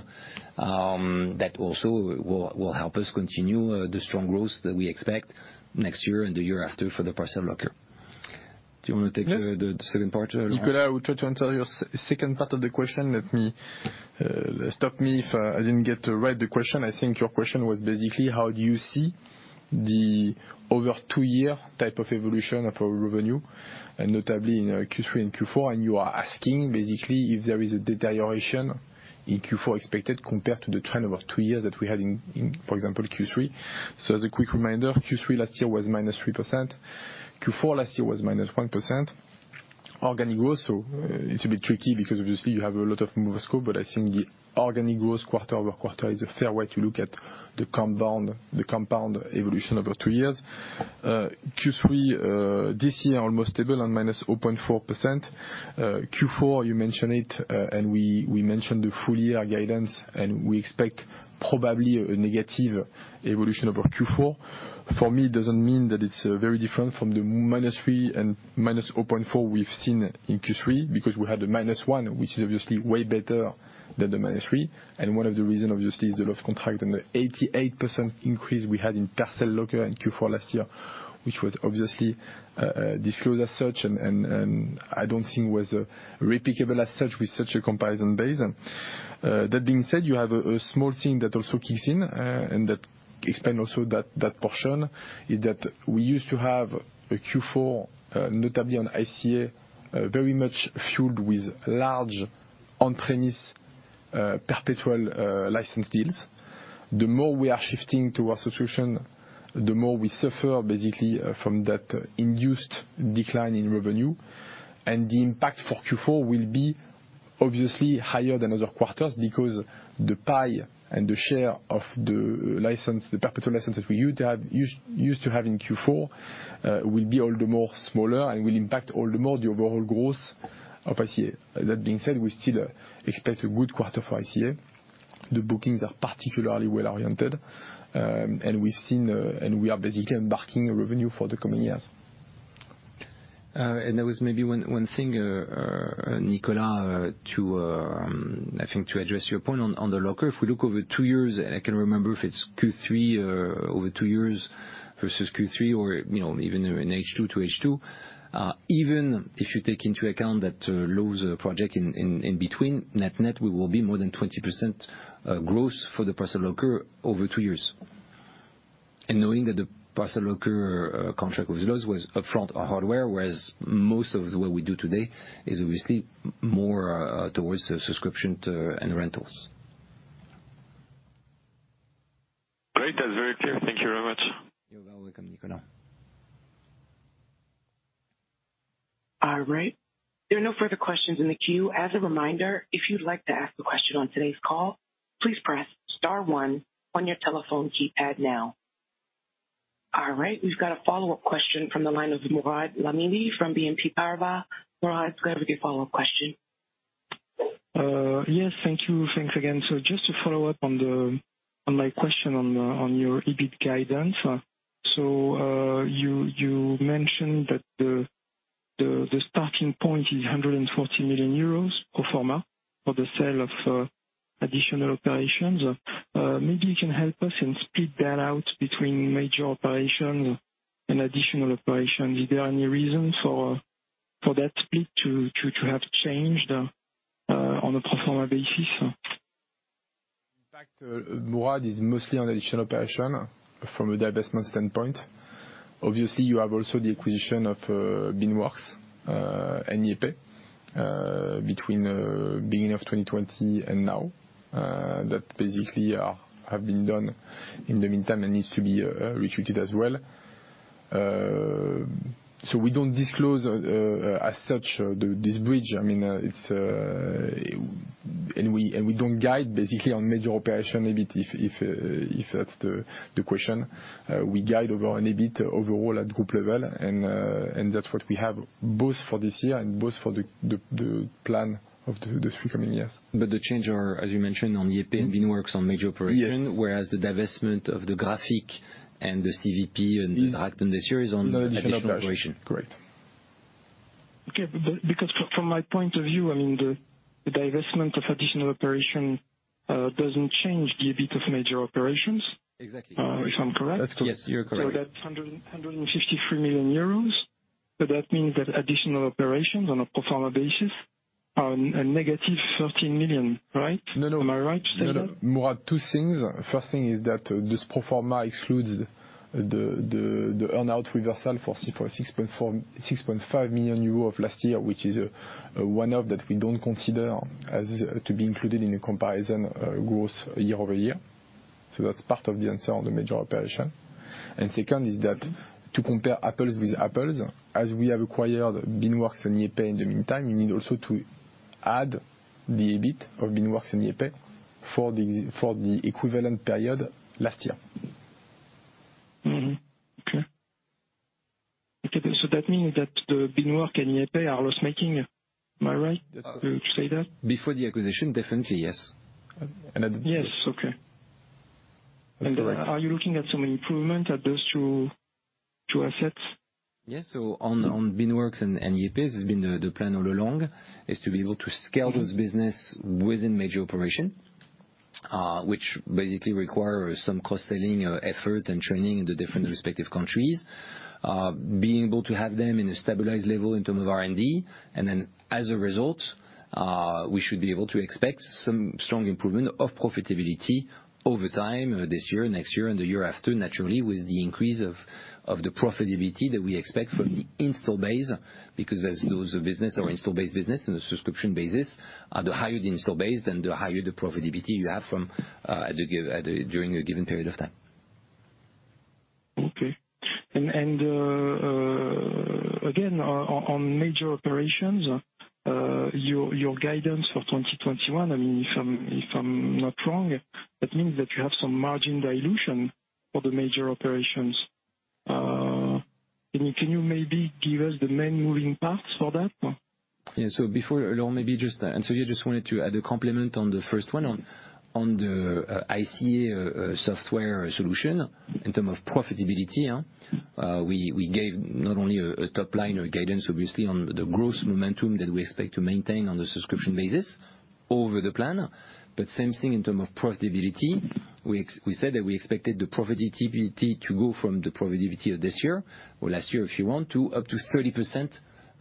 Speaker 1: that also will help us continue the strong growth that we expect next year and the year after for the parcel locker. Do you wanna take the second part, Laurent?
Speaker 2: Nicolas, I will try to answer your second part of the question. Let me know if I didn't get the question right. I think your question was basically how do you see the two-year type of evolution of our revenue, and notably in Q3 and Q4. You are asking basically if there is a deterioration in Q4 expected compared to the trend over two years that we had in, for example, Q3. As a quick reminder, Q3 last year was -3%. Q4 last year was -1%. Organic growth, it's a bit tricky because obviously you have a lot of scope moves, but I think the organic growth quarter-over-quarter is a fair way to look at the compound evolution over two years. Q3 this year almost stable and -0.4%. Q4, you mentioned it, and we mentioned the full year guidance, and we expect probably a negative evolution over Q4. For me, it doesn't mean that it's very different from the -3% and -4% we've seen in Q3, because we had the -1%, which is obviously way better than the -3%. One of the reasons, obviously, is the lost contract and the 88% increase we had in parcel locker in Q4 last year, which was obviously disclosed as such, and I don't think was replicable as such with such a comparison base. That being said, you have a small thing that also kicks in, and that explains also that portion, is that we used to have a Q4, notably on ICA, very much fueled with large on-premise perpetual license deals. The more we are shifting to our solution, the more we suffer basically from that induced decline in revenue. The impact for Q4 will be obviously higher than other quarters because the pie and the share of the license, the perpetual licenses we used to have in Q4, will be all the more smaller and will impact all the more the overall growth of ICA. That being said, we still expect a good quarter for ICA. The bookings are particularly well-oriented, and we've seen and we are basically embarking a revenue for the coming years.
Speaker 1: There was maybe one thing, Nicolas, I think, to address your point on the locker. If we look over two years, I can't remember if it's Q3 or over two years versus Q3 or even in H2 to H2. Even if you take into account that Lowe's project in between net-net, we will be more than 20% growth for the parcel locker over two years. Knowing that the parcel locker contract with Lowe's was upfront on hardware, whereas most of what we do today is obviously more towards the subscription too and rentals.
Speaker 5: Great. That's very clear. Thank you very much.
Speaker 1: You're welcome, Nicolas.
Speaker 3: All right. There are no further questions in the queue. As a reminder, if you'd like to ask a question on today's call, please press star one on your telephone keypad now. All right. We've got a follow-up question from the line of Mourad Lahmidi from BNP Paribas. Mourad, go ahead with your follow-up question.
Speaker 4: Yes. Thank you. Thanks again. Just to follow up on my question on your EBIT guidance. You mentioned that the starting point is 140 million euros pro forma for the sale of additional operations. Maybe you can help us and split that out between major operation and additional operations. Is there any reason for that split to have changed on a pro forma basis?
Speaker 2: In fact, Mourad, it is mostly on additional operations from a divestment standpoint. Obviously, you have also the acquisition of Beanworks and YayPay between beginning of 2020 and now that basically have been done in the meantime and needs to be integrated as well. So we don't disclose as such this bridge. I mean, it's. We don't guide basically on major operations EBIT if that's the question. We guide on EBIT overall at group level, and that's what we have for this year and for the plan of the three coming years.
Speaker 1: The changes are, as you mentioned, on YayPay and Beanworks on major operation.
Speaker 2: Yes.
Speaker 1: Whereas the divestment of the Graphics and the CVP and the ProShip this year is an additional operation.
Speaker 2: Additional operation. Correct.
Speaker 4: Okay. Because from my point of view, I mean, the divestment of additional operations doesn't change the EBIT of major operations.
Speaker 1: Exactly.
Speaker 4: If I'm correct.
Speaker 1: That's correct. Yes, you're correct.
Speaker 4: That's 153 million euros. That means that additional operations on a pro forma basis on a negative 13 million, right?
Speaker 1: No, no.
Speaker 4: Am I right to say that?
Speaker 1: No, no. There are two things. First thing is that this pro forma excludes the earn-out reversal for 6.5 million euros of last year, which is a one-off that we don't consider to be included in the comparison growth year-over-year. That's part of the answer on the major operation. Second is that to compare apples with apples, as we have acquired Beanworks and YayPay in the meantime, you need also to add the EBIT of Beanworks and YayPay for the equivalent period last year.
Speaker 4: Clear. Okay, that means that Beanworks and YayPay are loss-making. Am I right to say that?
Speaker 1: Before the acquisition, definitely yes.
Speaker 4: Yes. Okay.
Speaker 1: That's the last.
Speaker 4: Are you looking at some improvement at those two assets?
Speaker 1: On Beanworks and YayPay, this has been the plan all along, to be able to scale those businesses within major operations, which basically require some cross-selling effort and training in the different respective countries. Being able to have them in a stabilized level in terms of R&D. As a result, we should be able to expect some strong improvement of profitability over time, this year, next year, and the year after, naturally, with the increase of the profitability that we expect from the install base. Because as those businesses are install-based businesses on a subscription basis, the higher the install base, then the higher the profitability you have from during a given period of time.
Speaker 4: Okay. Again, on major operations, your guidance for 2021, I mean, if I'm not wrong, it means that you have some margin dilution for the major operations. Can you maybe give us the main moving parts for that?
Speaker 1: Before, Laurent, maybe just and so you just wanted to add a comment on the first one on the ICA software solution in terms of profitability, we gave not only a top-line guidance, obviously, on the growth momentum that we expect to maintain on the subscription basis over the plan. Same thing in terms of profitability, we said that we expected the profitability to go from the profitability of this year or last year, if you want, to up to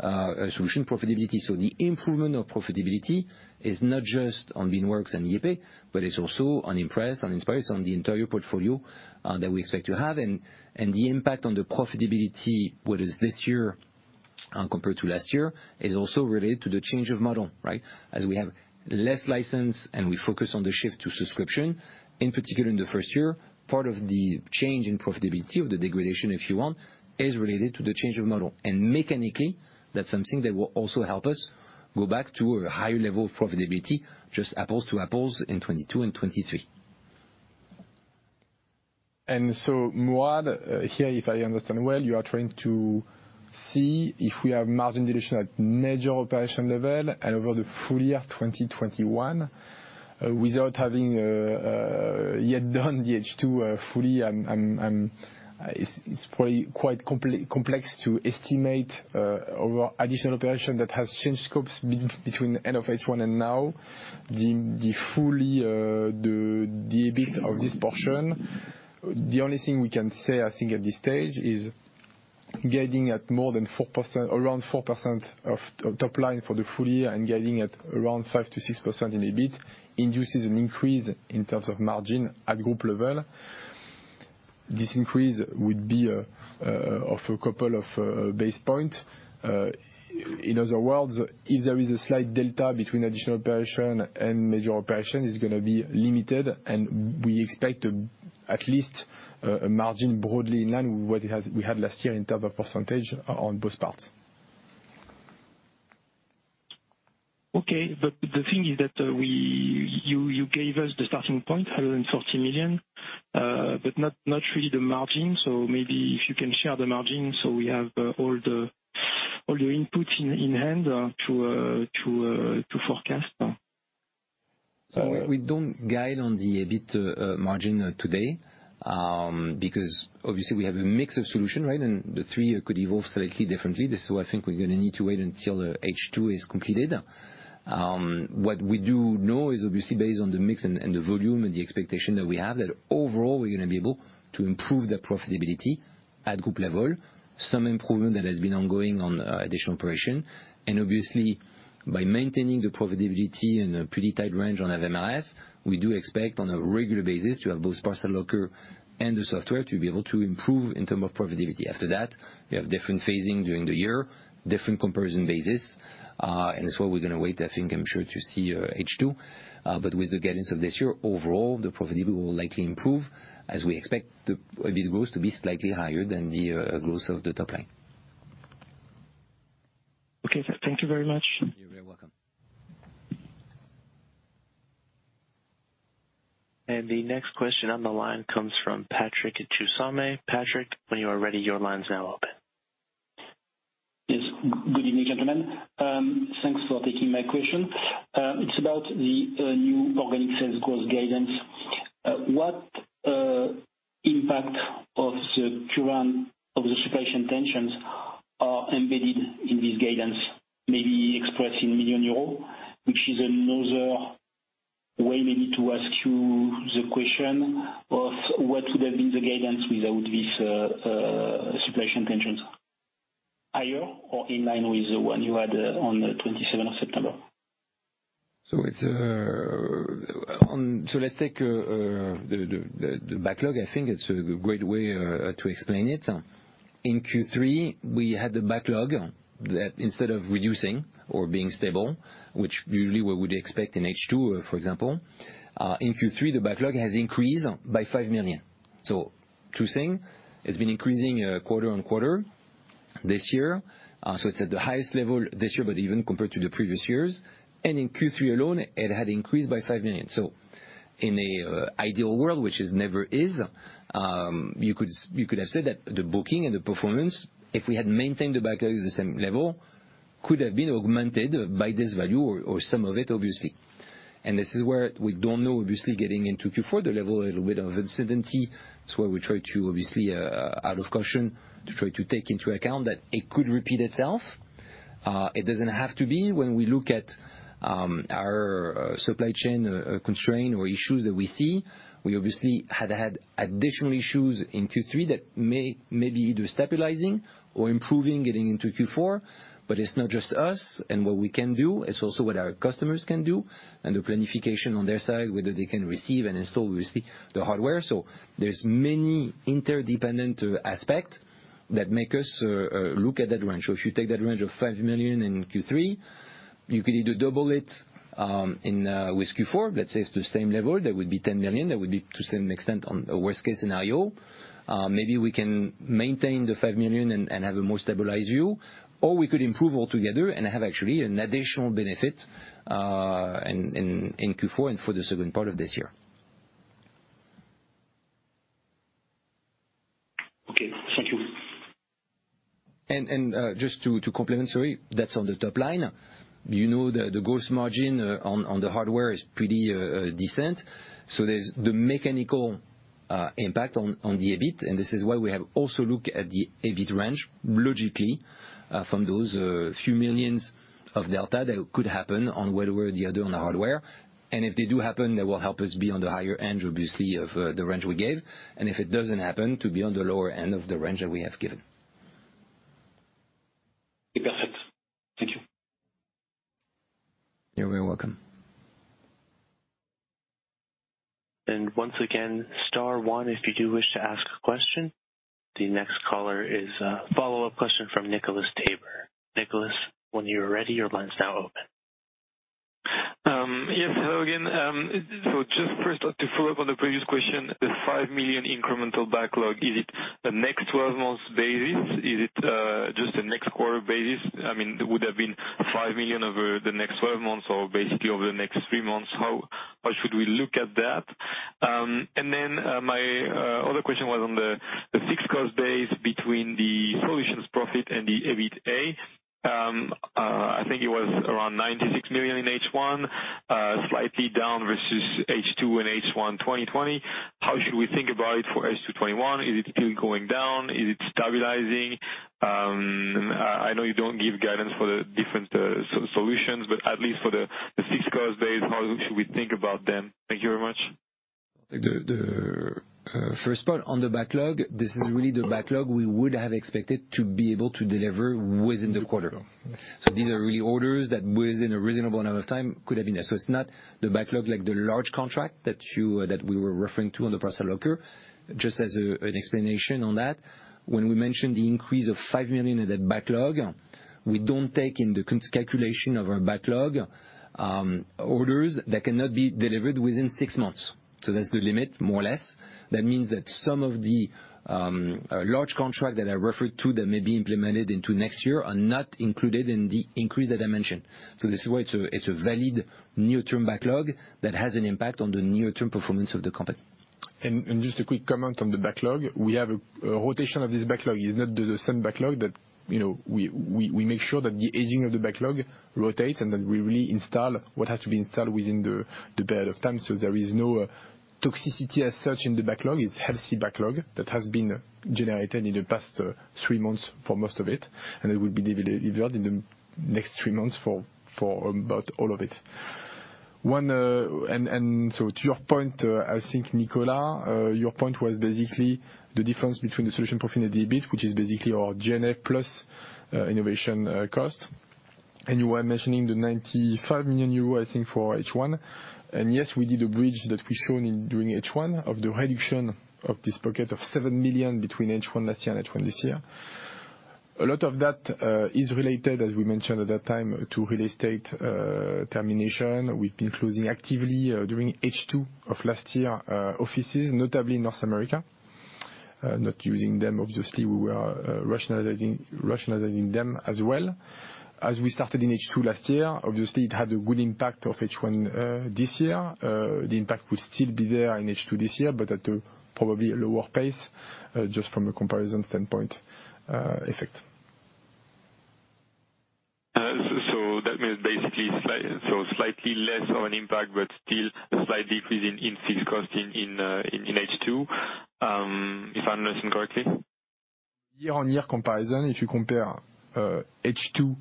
Speaker 1: 30% solution profitability. The improvement of profitability is not just on Beanworks and YayPay, but it's also on Impress, on Inspire, it's on the entire portfolio that we expect to have. The impact on the profitability, what is this year compared to last year, is also related to the change of model, right? As we have less license and we focus on the shift to subscription, in particular in the first year, part of the change in profitability of the degradation, if you want, is related to the change of model. Mechanically, that's something that will also help us go back to a higher level of profitability, just apples to apples in 2022 and 2023.
Speaker 2: Mourad, here if I understand well, you are trying to see if we have margin dilution at major operation level and over the full year 2021 without having yet done the H2 fully. It's probably quite complex to estimate over additional operation that has changed scopes between end of H1 and now. The full EBIT of this portion. The only thing we can say, I think, at this stage is guiding at more than 4%, around 4% of top line for the full year and guiding at around 5%-6% in EBIT induces an increase in terms of margin at group level. This increase would be of a couple of basis points. In other words, if there is a slight delta between additional operation and major operation, is gonna be limited, and we expect at least a margin broadly in line with what we had last year in terms of percentage on both parts.
Speaker 4: The thing is that you gave us the starting point, 140 million, but not really the margin. Maybe if you can share the margin, we have all your input in hand to forecast.
Speaker 1: We don't guide on the EBIT margin today because obviously we have a mix of solution, right? The three could evolve slightly differently. This is why I think we're gonna need to wait until the H2 is completed. What we do know is obviously based on the mix and the volume and the expectation that we have, that overall, we're gonna be able to improve the profitability at group level. Some improvement that has been ongoing on additional operation. Obviously, by maintaining the profitability in a pretty tight range on MRS, we do expect on a regular basis to have both Parcel Locker and the software to be able to improve in terms of profitability. After that, we have different phasing during the year, different comparison basis, and that's why we're gonna wait, I think, I'm sure to see H2. With the guidance of this year, overall, the profitability will likely improve as we expect the EBIT growth to be slightly higher than the growth of the top line.
Speaker 4: Okay. Thank you very much.
Speaker 1: You're very welcome.
Speaker 3: The next question on the line comes from Patrick Jousseaume Patrick, when you are ready, your line's now open.
Speaker 6: Yes. Good evening, gentlemen. Thanks for taking my question. It's about the new organic sales growth guidance. What impact of the current observation tensions are embedded in this guidance? Maybe expressed in million EUR, which is another-
Speaker 2: To the question of what would have been the guidance without this situation, tensions higher or in line with the one you had on the twenty-seventh of September.
Speaker 1: Let's take the backlog. I think it's a great way to explain it. In Q3, we had the backlog that instead of reducing or being stable, which usually we would expect in H2, for example, in Q3, the backlog has increased by 5 million. Two things, it's been increasing quarter-over-quarter this year. It's at the highest level this year, but even compared to the previous years. In Q3 alone, it had increased by 5 million. In an ideal world, which never is, you could have said that the booking and the performance, if we had maintained the backlog at the same level, could have been augmented by this value or some of it, obviously. This is where we don't know, obviously, getting into Q4, the level a little bit of uncertainty. That's why we try to obviously, out of caution, to try to take into account that it could repeat itself. It doesn't have to be. When we look at our supply chain constraint or issues that we see, we obviously had additional issues in Q3 that may be either stabilizing or improving getting into Q4. But it's not just us and what we can do, it's also what our customers can do and the planification on their side, whether they can receive and install, obviously, the hardware. There's many interdependent aspect that make us look at that range. If you take that range of 5 million in Q3, you could either double it in Q4, let's say it's the same level, that would be 10 million. That would be to some extent on a worst-case scenario. Maybe we can maintain the 5 million and have a more stabilized view. Or we could improve altogether and have actually an additional benefit in Q4 and for the second part of this year.
Speaker 6: Okay. Thank you.
Speaker 1: Just to complement, sorry, that's on the top line. You know, the gross margin on the hardware is pretty decent. There's the mechanical impact on the EBIT. This is why we have also looked at the EBIT range, logically, from those few millions of delta that could happen on the hardware. If they do happen, that will help us be on the higher end, obviously, of the range we gave. If it doesn't happen to be on the lower end of the range that we have given.
Speaker 6: Perfect. Thank you.
Speaker 1: You're very welcome.
Speaker 3: Once again, star one, if you do wish to ask a question. The next caller is a follow-up question from Nicolas Tabor. Nicolas, when you're ready, your line's now open.
Speaker 5: Yes. Hello again. Just first to follow up on the previous question, the 5 million incremental backlog, is it a next twelve months basis? Is it just a next quarter basis? I mean, would have been 5 million over the next twelve months or basically over the next three months? How should we look at that? My other question was on the fixed cost base between the solutions profit and the EBITA. I think it was around 96 million in H1, slightly down versus H2 and H1 2020. How should we think about it for H2 2021? Is it still going down? Is it stabilizing? I know you don't give guidance for the different solutions, but at least for the fixed cost base, how should we think about them? Thank you very much.
Speaker 1: The first part on the backlog, this is really the backlog we would have expected to be able to deliver within the quarter. These are really orders that within a reasonable amount of time could have been there. It's not the backlog like the large contract that we were referring to on the parcel locker. Just as an explanation on that, when we mentioned the increase of 5 million in that backlog, we don't take in the calculation of our backlog, orders that cannot be delivered within six months. That's the limit, more or less. That means that some of the large contract that I referred to that may be implemented into next year are not included in the increase that I mentioned. This is why it's a valid near-term backlog that has an impact on the near-term performance of the company.
Speaker 2: Just a quick comment on the backlog. We have a rotation of this backlog. It's not the same backlog that, you know, we make sure that the aging of the backlog rotates and that we really install what has to be installed within the period of time. There is no toxicity as such in the backlog. It's healthy backlog that has been generated in the past three months for most of it, and it will be delivered in the next three months for about all of it. To your point, I think, Nicolas, your point was basically the difference between the solution profit and the EBIT, which is basically our G&A plus innovation cost. You were mentioning the 95 million euro, I think, for H1. Yes, we did a bridge that we shown in during H1 of the reduction of this bucket of 7 million between H1 last year and H1 this year. A lot of that is related, as we mentioned at that time, to real estate termination. We've been closing actively during H2 of last year offices, notably in North America. Not using them, obviously, we were rationalizing them as well. As we started in H2 last year, obviously, it had a good impact of H1 this year. The impact will still be there in H2 this year, but at a probably lower pace, just from a comparison standpoint, effect.
Speaker 5: That means basically slightly less of an impact, but still a slight decrease in fixed cost in H2, if I'm listening correctly?
Speaker 1: Year-on-year comparison, if you compare, H2,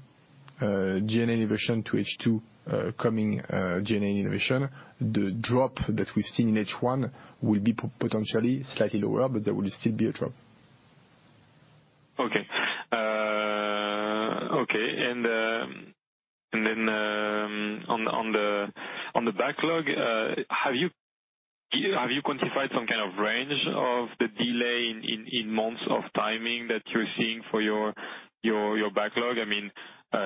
Speaker 1: GN innovation to H2, coming, GN innovation, the drop that we've seen in H1 will be potentially slightly lower, but there will still be a drop.
Speaker 5: Okay. Then on the backlog, have you quantified some kind of range of the delay in months of timing that you're seeing for your backlog? I mean,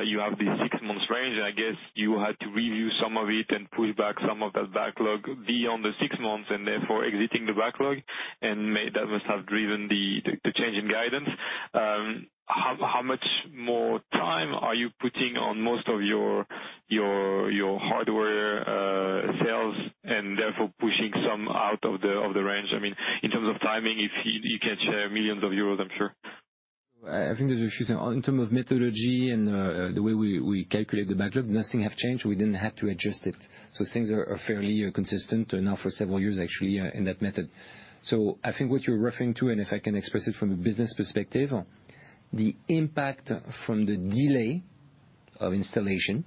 Speaker 5: you have the six months range, and I guess you had to review some of it and push back some of that backlog beyond the six months and therefore exiting the backlog. That must have driven the change in guidance. How much more time are you putting on most of your hardware sales and therefore pushing some out of the range? I mean, in terms of timing, if you can share millions of euros, I'm sure.
Speaker 1: I think there's a few things. In terms of methodology and the way we calculate the backlog, nothing have changed. We didn't have to adjust it. Things are fairly consistent now for several years actually in that method. I think what you're referring to, and if I can express it from a business perspective, the impact from the delay of installation,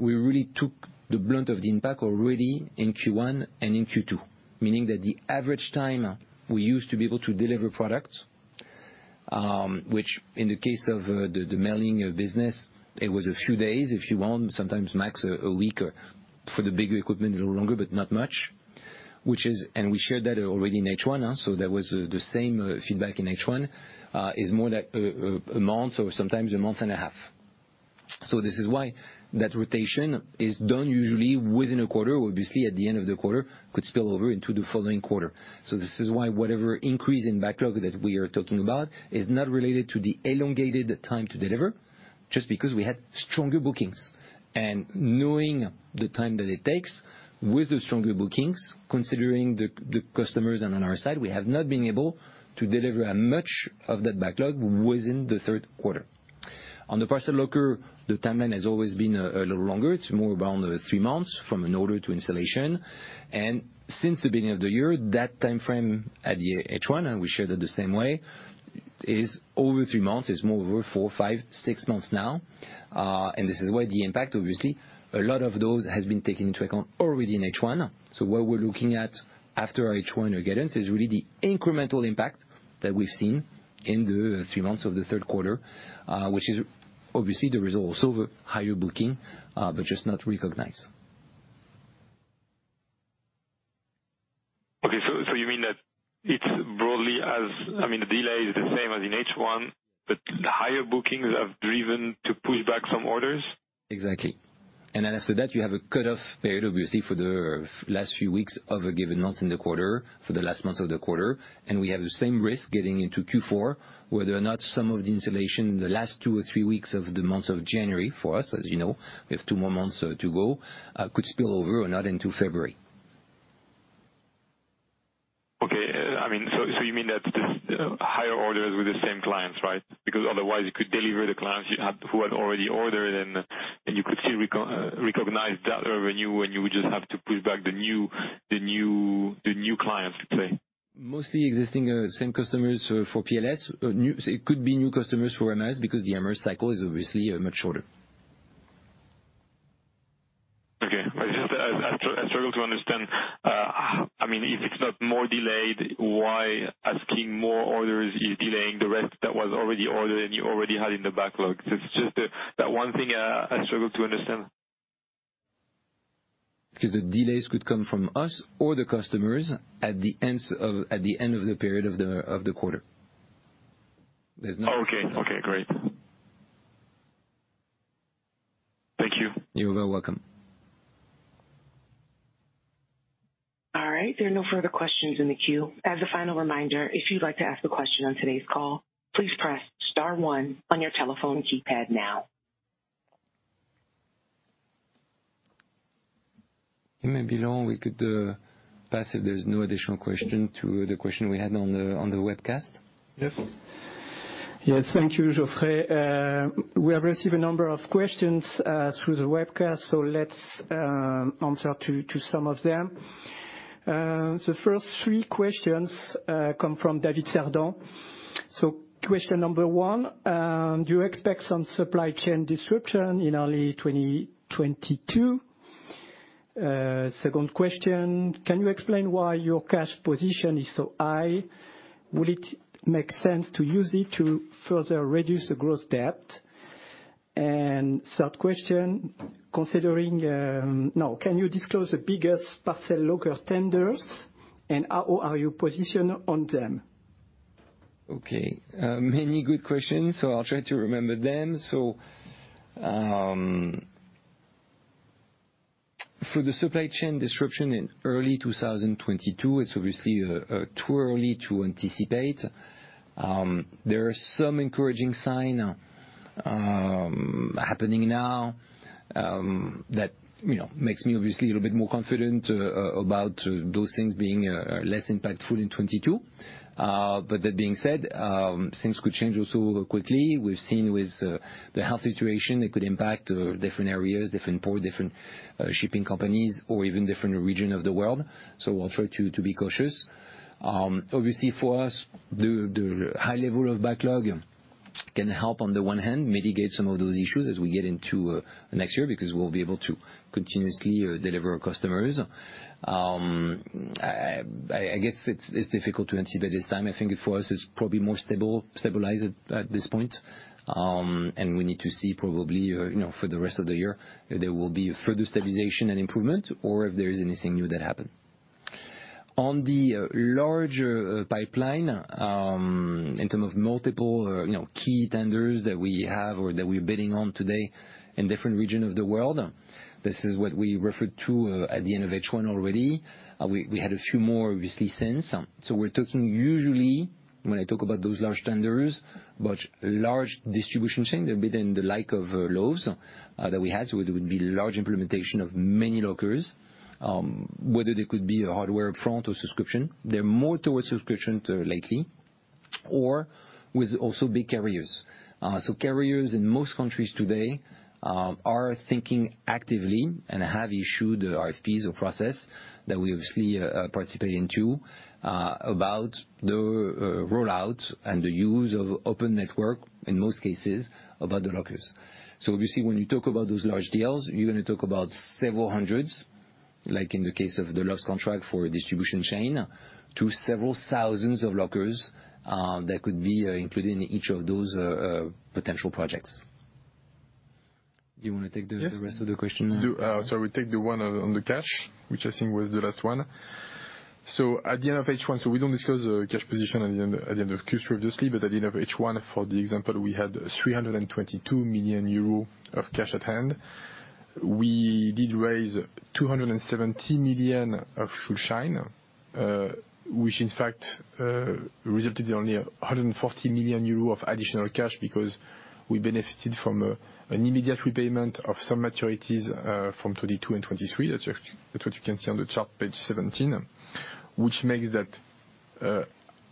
Speaker 1: we really took the brunt of the impact already in Q1 and in Q2, meaning that the average time we used to be able to deliver products, which in the case of the mailing business, it was a few days, if you want, sometimes max a week. For the bigger equipment, a little longer, but not much. Which is We shared that already in H1, so that was the same feedback in H1 is more like a month or sometimes a month and a half. This is why that rotation is done usually within a quarter, obviously at the end of the quarter could spill over into the following quarter. This is why whatever increase in backlog that we are talking about is not related to the elongated time to deliver, just because we had stronger bookings. Knowing the time that it takes with the stronger bookings, considering the customers and on our side, we have not been able to deliver as much of that backlog within the third quarter. On the parcel locker, the timeline has always been a little longer. It's more around three months from an order to installation. Since the beginning of the year, that timeframe in the H1, and we share that the same way, is over three months. It's more over four, five, six months now. This is why the impact, obviously, a lot of those has been taken into account already in H1. What we're looking at after our H1 guidance is really the incremental impact that we've seen in the three months of the third quarter, which is obviously the result of higher bookings, but just not recognized.
Speaker 5: Okay. You mean that it's broadly, I mean, the delay is the same as in Hone, but the higher bookings have driven to push back some orders?
Speaker 1: Exactly. Then after that, you have a cutoff period, obviously, for the last few weeks of a given month in the quarter, for the last month of the quarter. We have the same risk getting into Q4, whether or not some of the installation in the last two or three weeks of the month of January for us, as you know, we have two more months to go, could spill over or not into February.
Speaker 5: Okay. I mean, you mean that the higher orders with the same clients, right? Because otherwise you could deliver to the clients you had who had already ordered, and you could still recognize that revenue, and you would just have to push back the new clients, let's say.
Speaker 1: Mostly existing, same customers for PLS. It could be new customers for MRS, because the MRS cycle is obviously much shorter.
Speaker 5: Okay. Just, I struggle to understand, I mean, if it's not more delayed, why asking more orders is delaying the rest that was already ordered and you already had in the backlog? It's just, that one thing I struggle to understand.
Speaker 1: Because the delays could come from us or the customers at the end of the period of the quarter. There's no-
Speaker 5: Okay, great. Thank you.
Speaker 1: You're very welcome.
Speaker 3: All right. There are no further questions in the queue. As a final reminder, if you'd like to ask a question on today's call, please press star one on your telephone keypad now.
Speaker 1: Maybe, Laurent, we could pass if there's no additional question to the question we had on the webcast.
Speaker 2: Yes. Thank you, Geoffrey. We have received a number of questions through the webcast, so let's answer to some of them. The first three questions come from David Sardon. Question number one, do you expect some supply chain disruption in early 2022? Second question, can you explain why your cash position is so high? Would it make sense to use it to further reduce the gross debt? Third question, can you disclose the biggest parcel locker tenders, and how are you positioned on them?
Speaker 1: Okay. Many good questions, so I'll try to remember them. For the supply chain disruption in early 2022, it's obviously too early to anticipate. There are some encouraging signs happening now that, you know, make me obviously a little bit more confident about those things being less impactful in 2022. That being said, things could also change quickly. We've seen with the health situation, it could impact different areas, different ports, different shipping companies or even different regions of the world. I'll try to be cautious. Obviously for us, the high level of backlog can help on the one hand mitigate some of those issues as we get into next year, because we'll be able to continuously deliver to our customers. I guess it's difficult to anticipate this time. I think for us it's probably more stabilized at this point. We need to see probably, you know, for the rest of the year if there will be further stabilization and improvement or if there is anything new that happen. On the larger pipeline, in terms of multiple, you know, key tenders that we have or that we're bidding on today in different regions of the world, this is what we referred to at the end of H1 already. We had a few more obviously since. We're talking usually when I talk about those large tenders, about large distribution chains, a bit like Lowe's that we had, so it would be large implementation of many lockers. Whether they could be a hardware up front or subscription. They're more towards subscription to lately or with also big carriers. Carriers in most countries today are thinking actively and have issued RFPs or process that we obviously participate into about the rollout and the use of open network in most cases about the lockers. Obviously, when you talk about those large deals, you're gonna talk about several hundreds, like in the case of the Lowe's contract for a distribution chain to several thousands of lockers that could be included in each of those potential projects. Do you wanna take the-
Speaker 2: Yes.
Speaker 1: the rest of the question?
Speaker 2: We take the one on the cash, which I think was the last one. At the end of H1, we don't discuss the cash position at the end of Qs previously, but at the end of H1 for example, we had 322 million euro of cash at hand. We did raise 270 million of Schuldschein, which in fact resulted in only 140 million euro of additional cash because we benefited from an immediate repayment of some maturities from 2022 and 2023. That's what you can see on the chart page 17. Which makes that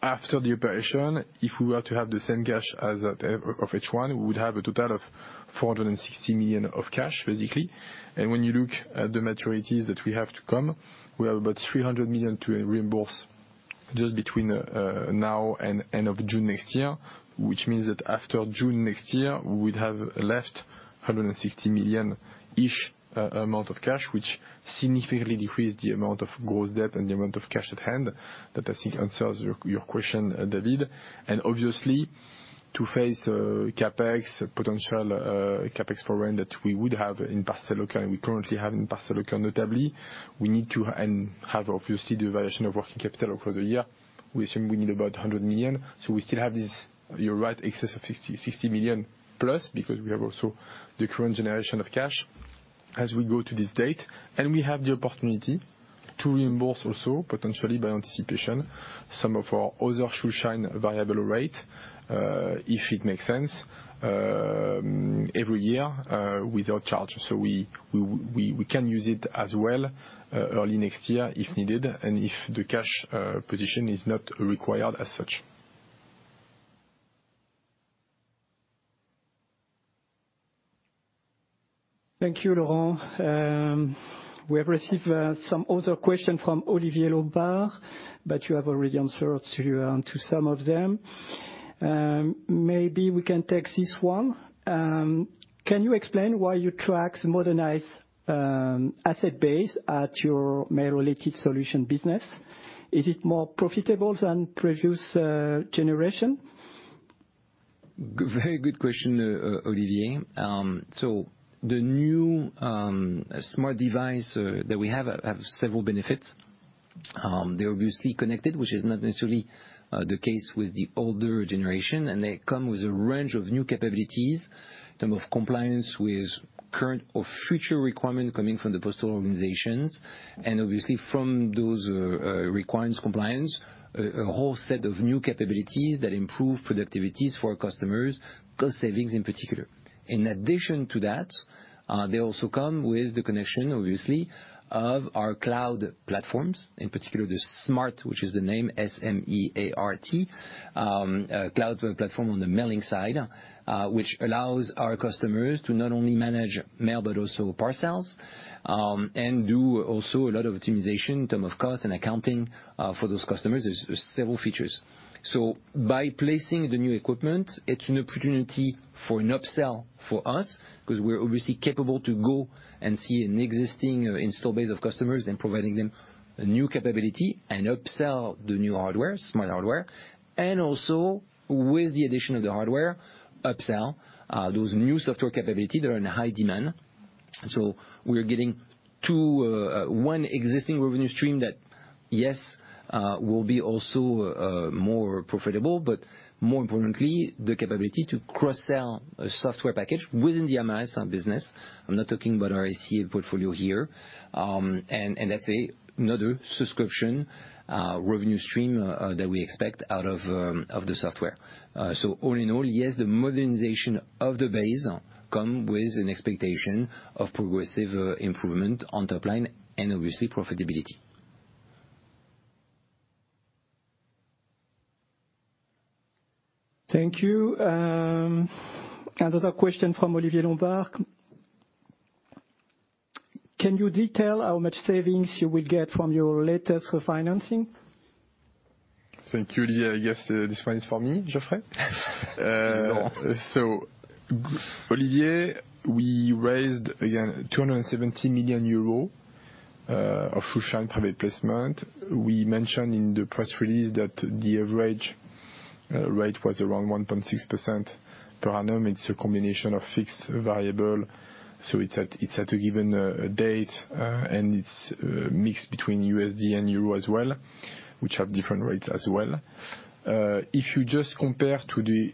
Speaker 2: after the operation, if we were to have the same cash as at end of H1, we would have a total of 460 million of cash basically. When you look at the maturities that we have to come, we have about 300 million to reimburse just between now and end of June next year. Which means that after June next year, we'd have left 160 million-ish amount of cash, which significantly decrease the amount of gross debt and the amount of cash at hand. That, I think, answers your question, David. Obviously to face CapEx potential CapEx program that we would have in parcel locker, and we currently have in parcel locker notably, we need to and have obviously the variation of working capital across the year. We assume we need about 100 million. We still have this, you're right, excess of 60 million plus because we have also the cash generation as we go to this date. We have the opportunity to reimburse also potentially by anticipation some of our other Schuldschein variable rate, if it makes sense, every year, without charge. We can use it as well, early next year if needed and if the cash position is not required as such.
Speaker 7: Thank you, Laurent. We have received some other questions from Olivier Lombard. You have already answered some of them. Maybe we can take this one. Can you explain why you track modernized asset base at your Mail Related Solutions business? Is it more profitable than previous generation?
Speaker 1: Very good question, Olivier. The new smart device that we have several benefits. They're obviously connected, which is not necessarily the case with the older generation, and they come with a range of new capabilities in term of compliance with current or future requirement coming from the postal organizations. Obviously from those requirements compliance, a whole set of new capabilities that improve productivities for our customers, cost savings in particular. In addition to that, they also come with the connection obviously of our cloud platforms, in particular the S.M.A.R.T., which is the name S.M.A.R.T., cloud platform on the mailing side, which allows our customers to not only manage mail but also parcels, and do also a lot of optimization in term of cost and accounting, for those customers. There's several features. By placing the new equipment, it's an opportunity for an upsell for us 'cause we're obviously capable to go and see an existing installed base of customers and providing them a new capability and upsell the new hardware, smart hardware. With the addition of the hardware, upsell those new software capabilities that are in high demand. We are getting to one existing revenue stream that yes, will be also more profitable, but more importantly, the capability to cross-sell a software package within the MRS business. I'm not talking about our ICA portfolio here. And that's another subscription revenue stream that we expect out of the software. All in all, yes, the modernization of the base come with an expectation of progressive improvement on top line and obviously profitability.
Speaker 7: Thank you. Another question from Olivier Lombard. Can you detail how much savings you will get from your latest refinancing?
Speaker 2: Thank you, Olivier. I guess, this one is for me, Geoffrey.
Speaker 7: No.
Speaker 2: Olivier, we raised, again, 270 million euros of Schuldschein private placement. We mentioned in the press release that the average rate was around 1.6% per annum. It's a combination of fixed variable, so it's at a given date, and it's mixed between USD and euro as well, which have different rates as well. If you just compare to the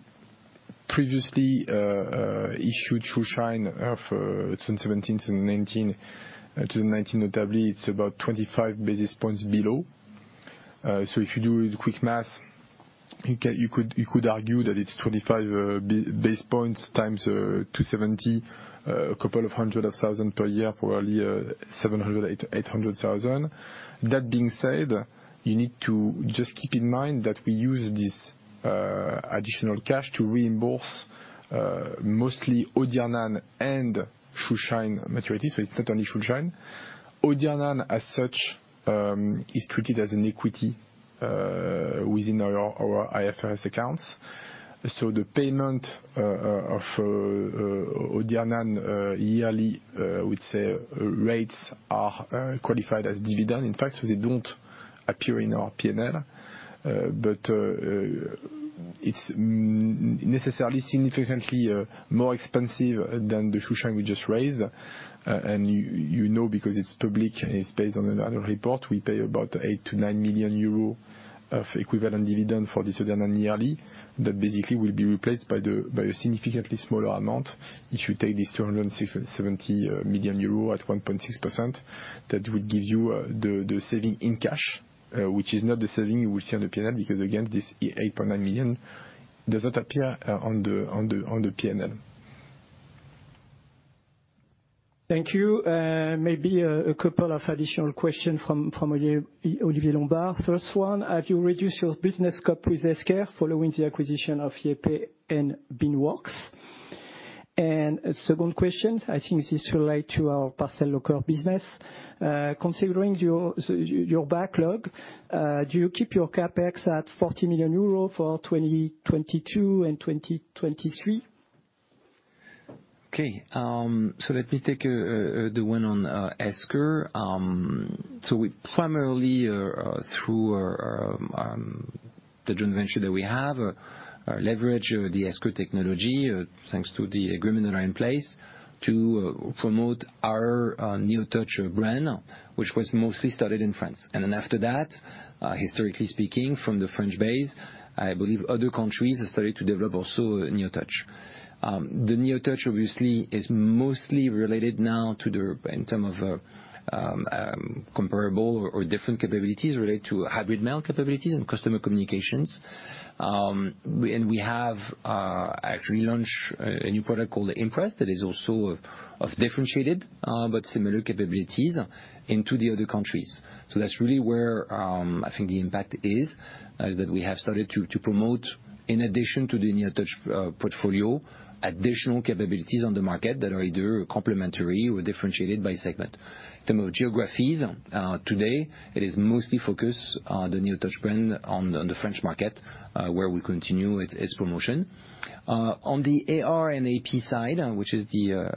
Speaker 2: previously issued Schuldschein of 2017, 2019 notably, it's about 25 basis points below. If you do the quick maths, you could argue that it's 25 basis points times 270, couple of hundred thousand per year, probably 700, 800 thousand. That being said, you need to just keep in mind that we use this additional cash to reimburse mostly OCEANE and Schuldschein maturities. It's not only Schuldschein. OCEANE as such is treated as an equity within our IFRS accounts. The payment of OCEANE yearly, I would say, rates are qualified as dividend in fact, so they don't appear in our P&L. It's necessarily significantly more expensive than the Schuldschein we just raised. You know because it's public and it's based on another report, we pay about 8 million-9 million euros of equivalent dividend for this OCEANE yearly. That basically will be replaced by a significantly smaller amount. If you take this 267 million euro at 1.6%, that will give you the saving in cash, which is not the saving you will see on the P&L. Because again, this 8.9 million doesn't appear on the P&L.
Speaker 7: Thank you. Maybe a couple of additional question from Olivier Lombard. First one, have you reduced your business scope with Esker following the acquisition of YayPay and Beanworks? Second question, I think this relate to our Parcel Locker business. Considering your backlog, do you keep your CapEx at 40 million euro for 2022 and 2023?
Speaker 1: Okay. Let me take the one on Esker. We primarily through our joint venture that we have leverage the Esker technology thanks to the agreements that are in place to promote our Neotouch brand, which was mostly started in France. After that, historically speaking, from the French base, I believe other countries have started to develop also Neotouch. The Neotouch obviously is mostly related now to the in terms of comparable or different capabilities related to hybrid mail capabilities and customer communications. We have actually launched a new product called Impress that is also of differentiated but similar capabilities into the other countries. That's really where I think the impact is that we have started to promote, in addition to the Neotouch portfolio, additional capabilities on the market that are either complementary or differentiated by segment. In terms of geographies, today it is mostly focused on the Neotouch brand on the French market, where we continue its promotion. On the AR and AP side, which is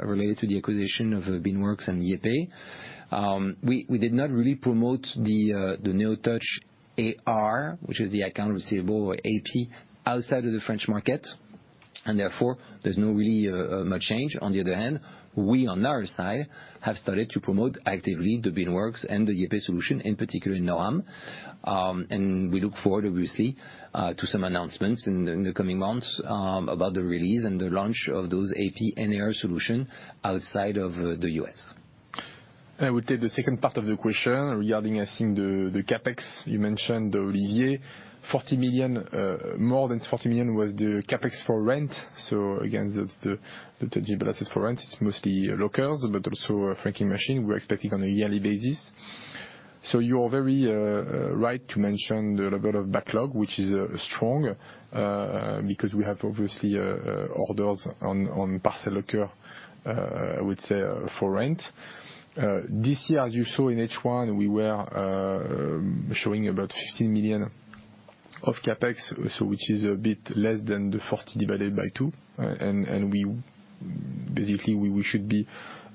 Speaker 1: related to the acquisition of Beanworks and YayPay, we did not really promote the Neotouch AR, which is the accounts receivable or AP outside of the French market, and therefore there's no really much change. On the other hand, we on our side have started to promote actively the Beanworks and the YayPay solution, in particular in NORAM. We look forward obviously to some announcements in the coming months about the release and the launch of those AP and AR solutions outside of the U.S.
Speaker 2: I would take the second part of the question regarding, I think, the CapEx you mentioned, Olivier. 40 million, more than 40 million was the CapEx for rent. Again, that's the tangible asset for rent. It's mostly lockers, but also a franking machine we're expecting on a yearly basis. You are very right to mention the level of backlog, which is strong, because we have obviously orders on parcel locker, I would say for rent. This year, as you saw in H1, we were showing about 15 million of CapEx, which is a bit less than the 40 divided by two. We basically should be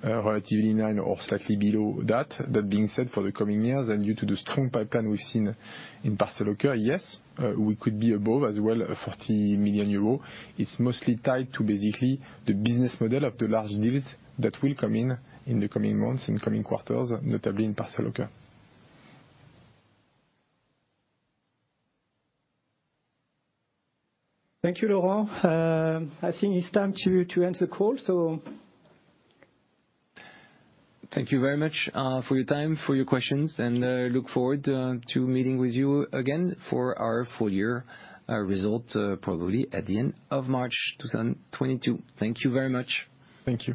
Speaker 2: relatively in line or slightly below that. That being said, for the coming years and due to the strong pipeline we've seen in Parcel Locker, yes, we could be above, as well, 40 million euros. It's mostly tied to basically the business model of the large deals that will come in in the coming months, in coming quarters, notably in Parcel Locker.
Speaker 7: Thank you, Laurent. I think it's time to end the call.
Speaker 1: Thank you very much for your time, for your questions, and I look forward to meeting with you again for our full year results probably at the end of March 2022. Thank you very much.
Speaker 2: Thank you.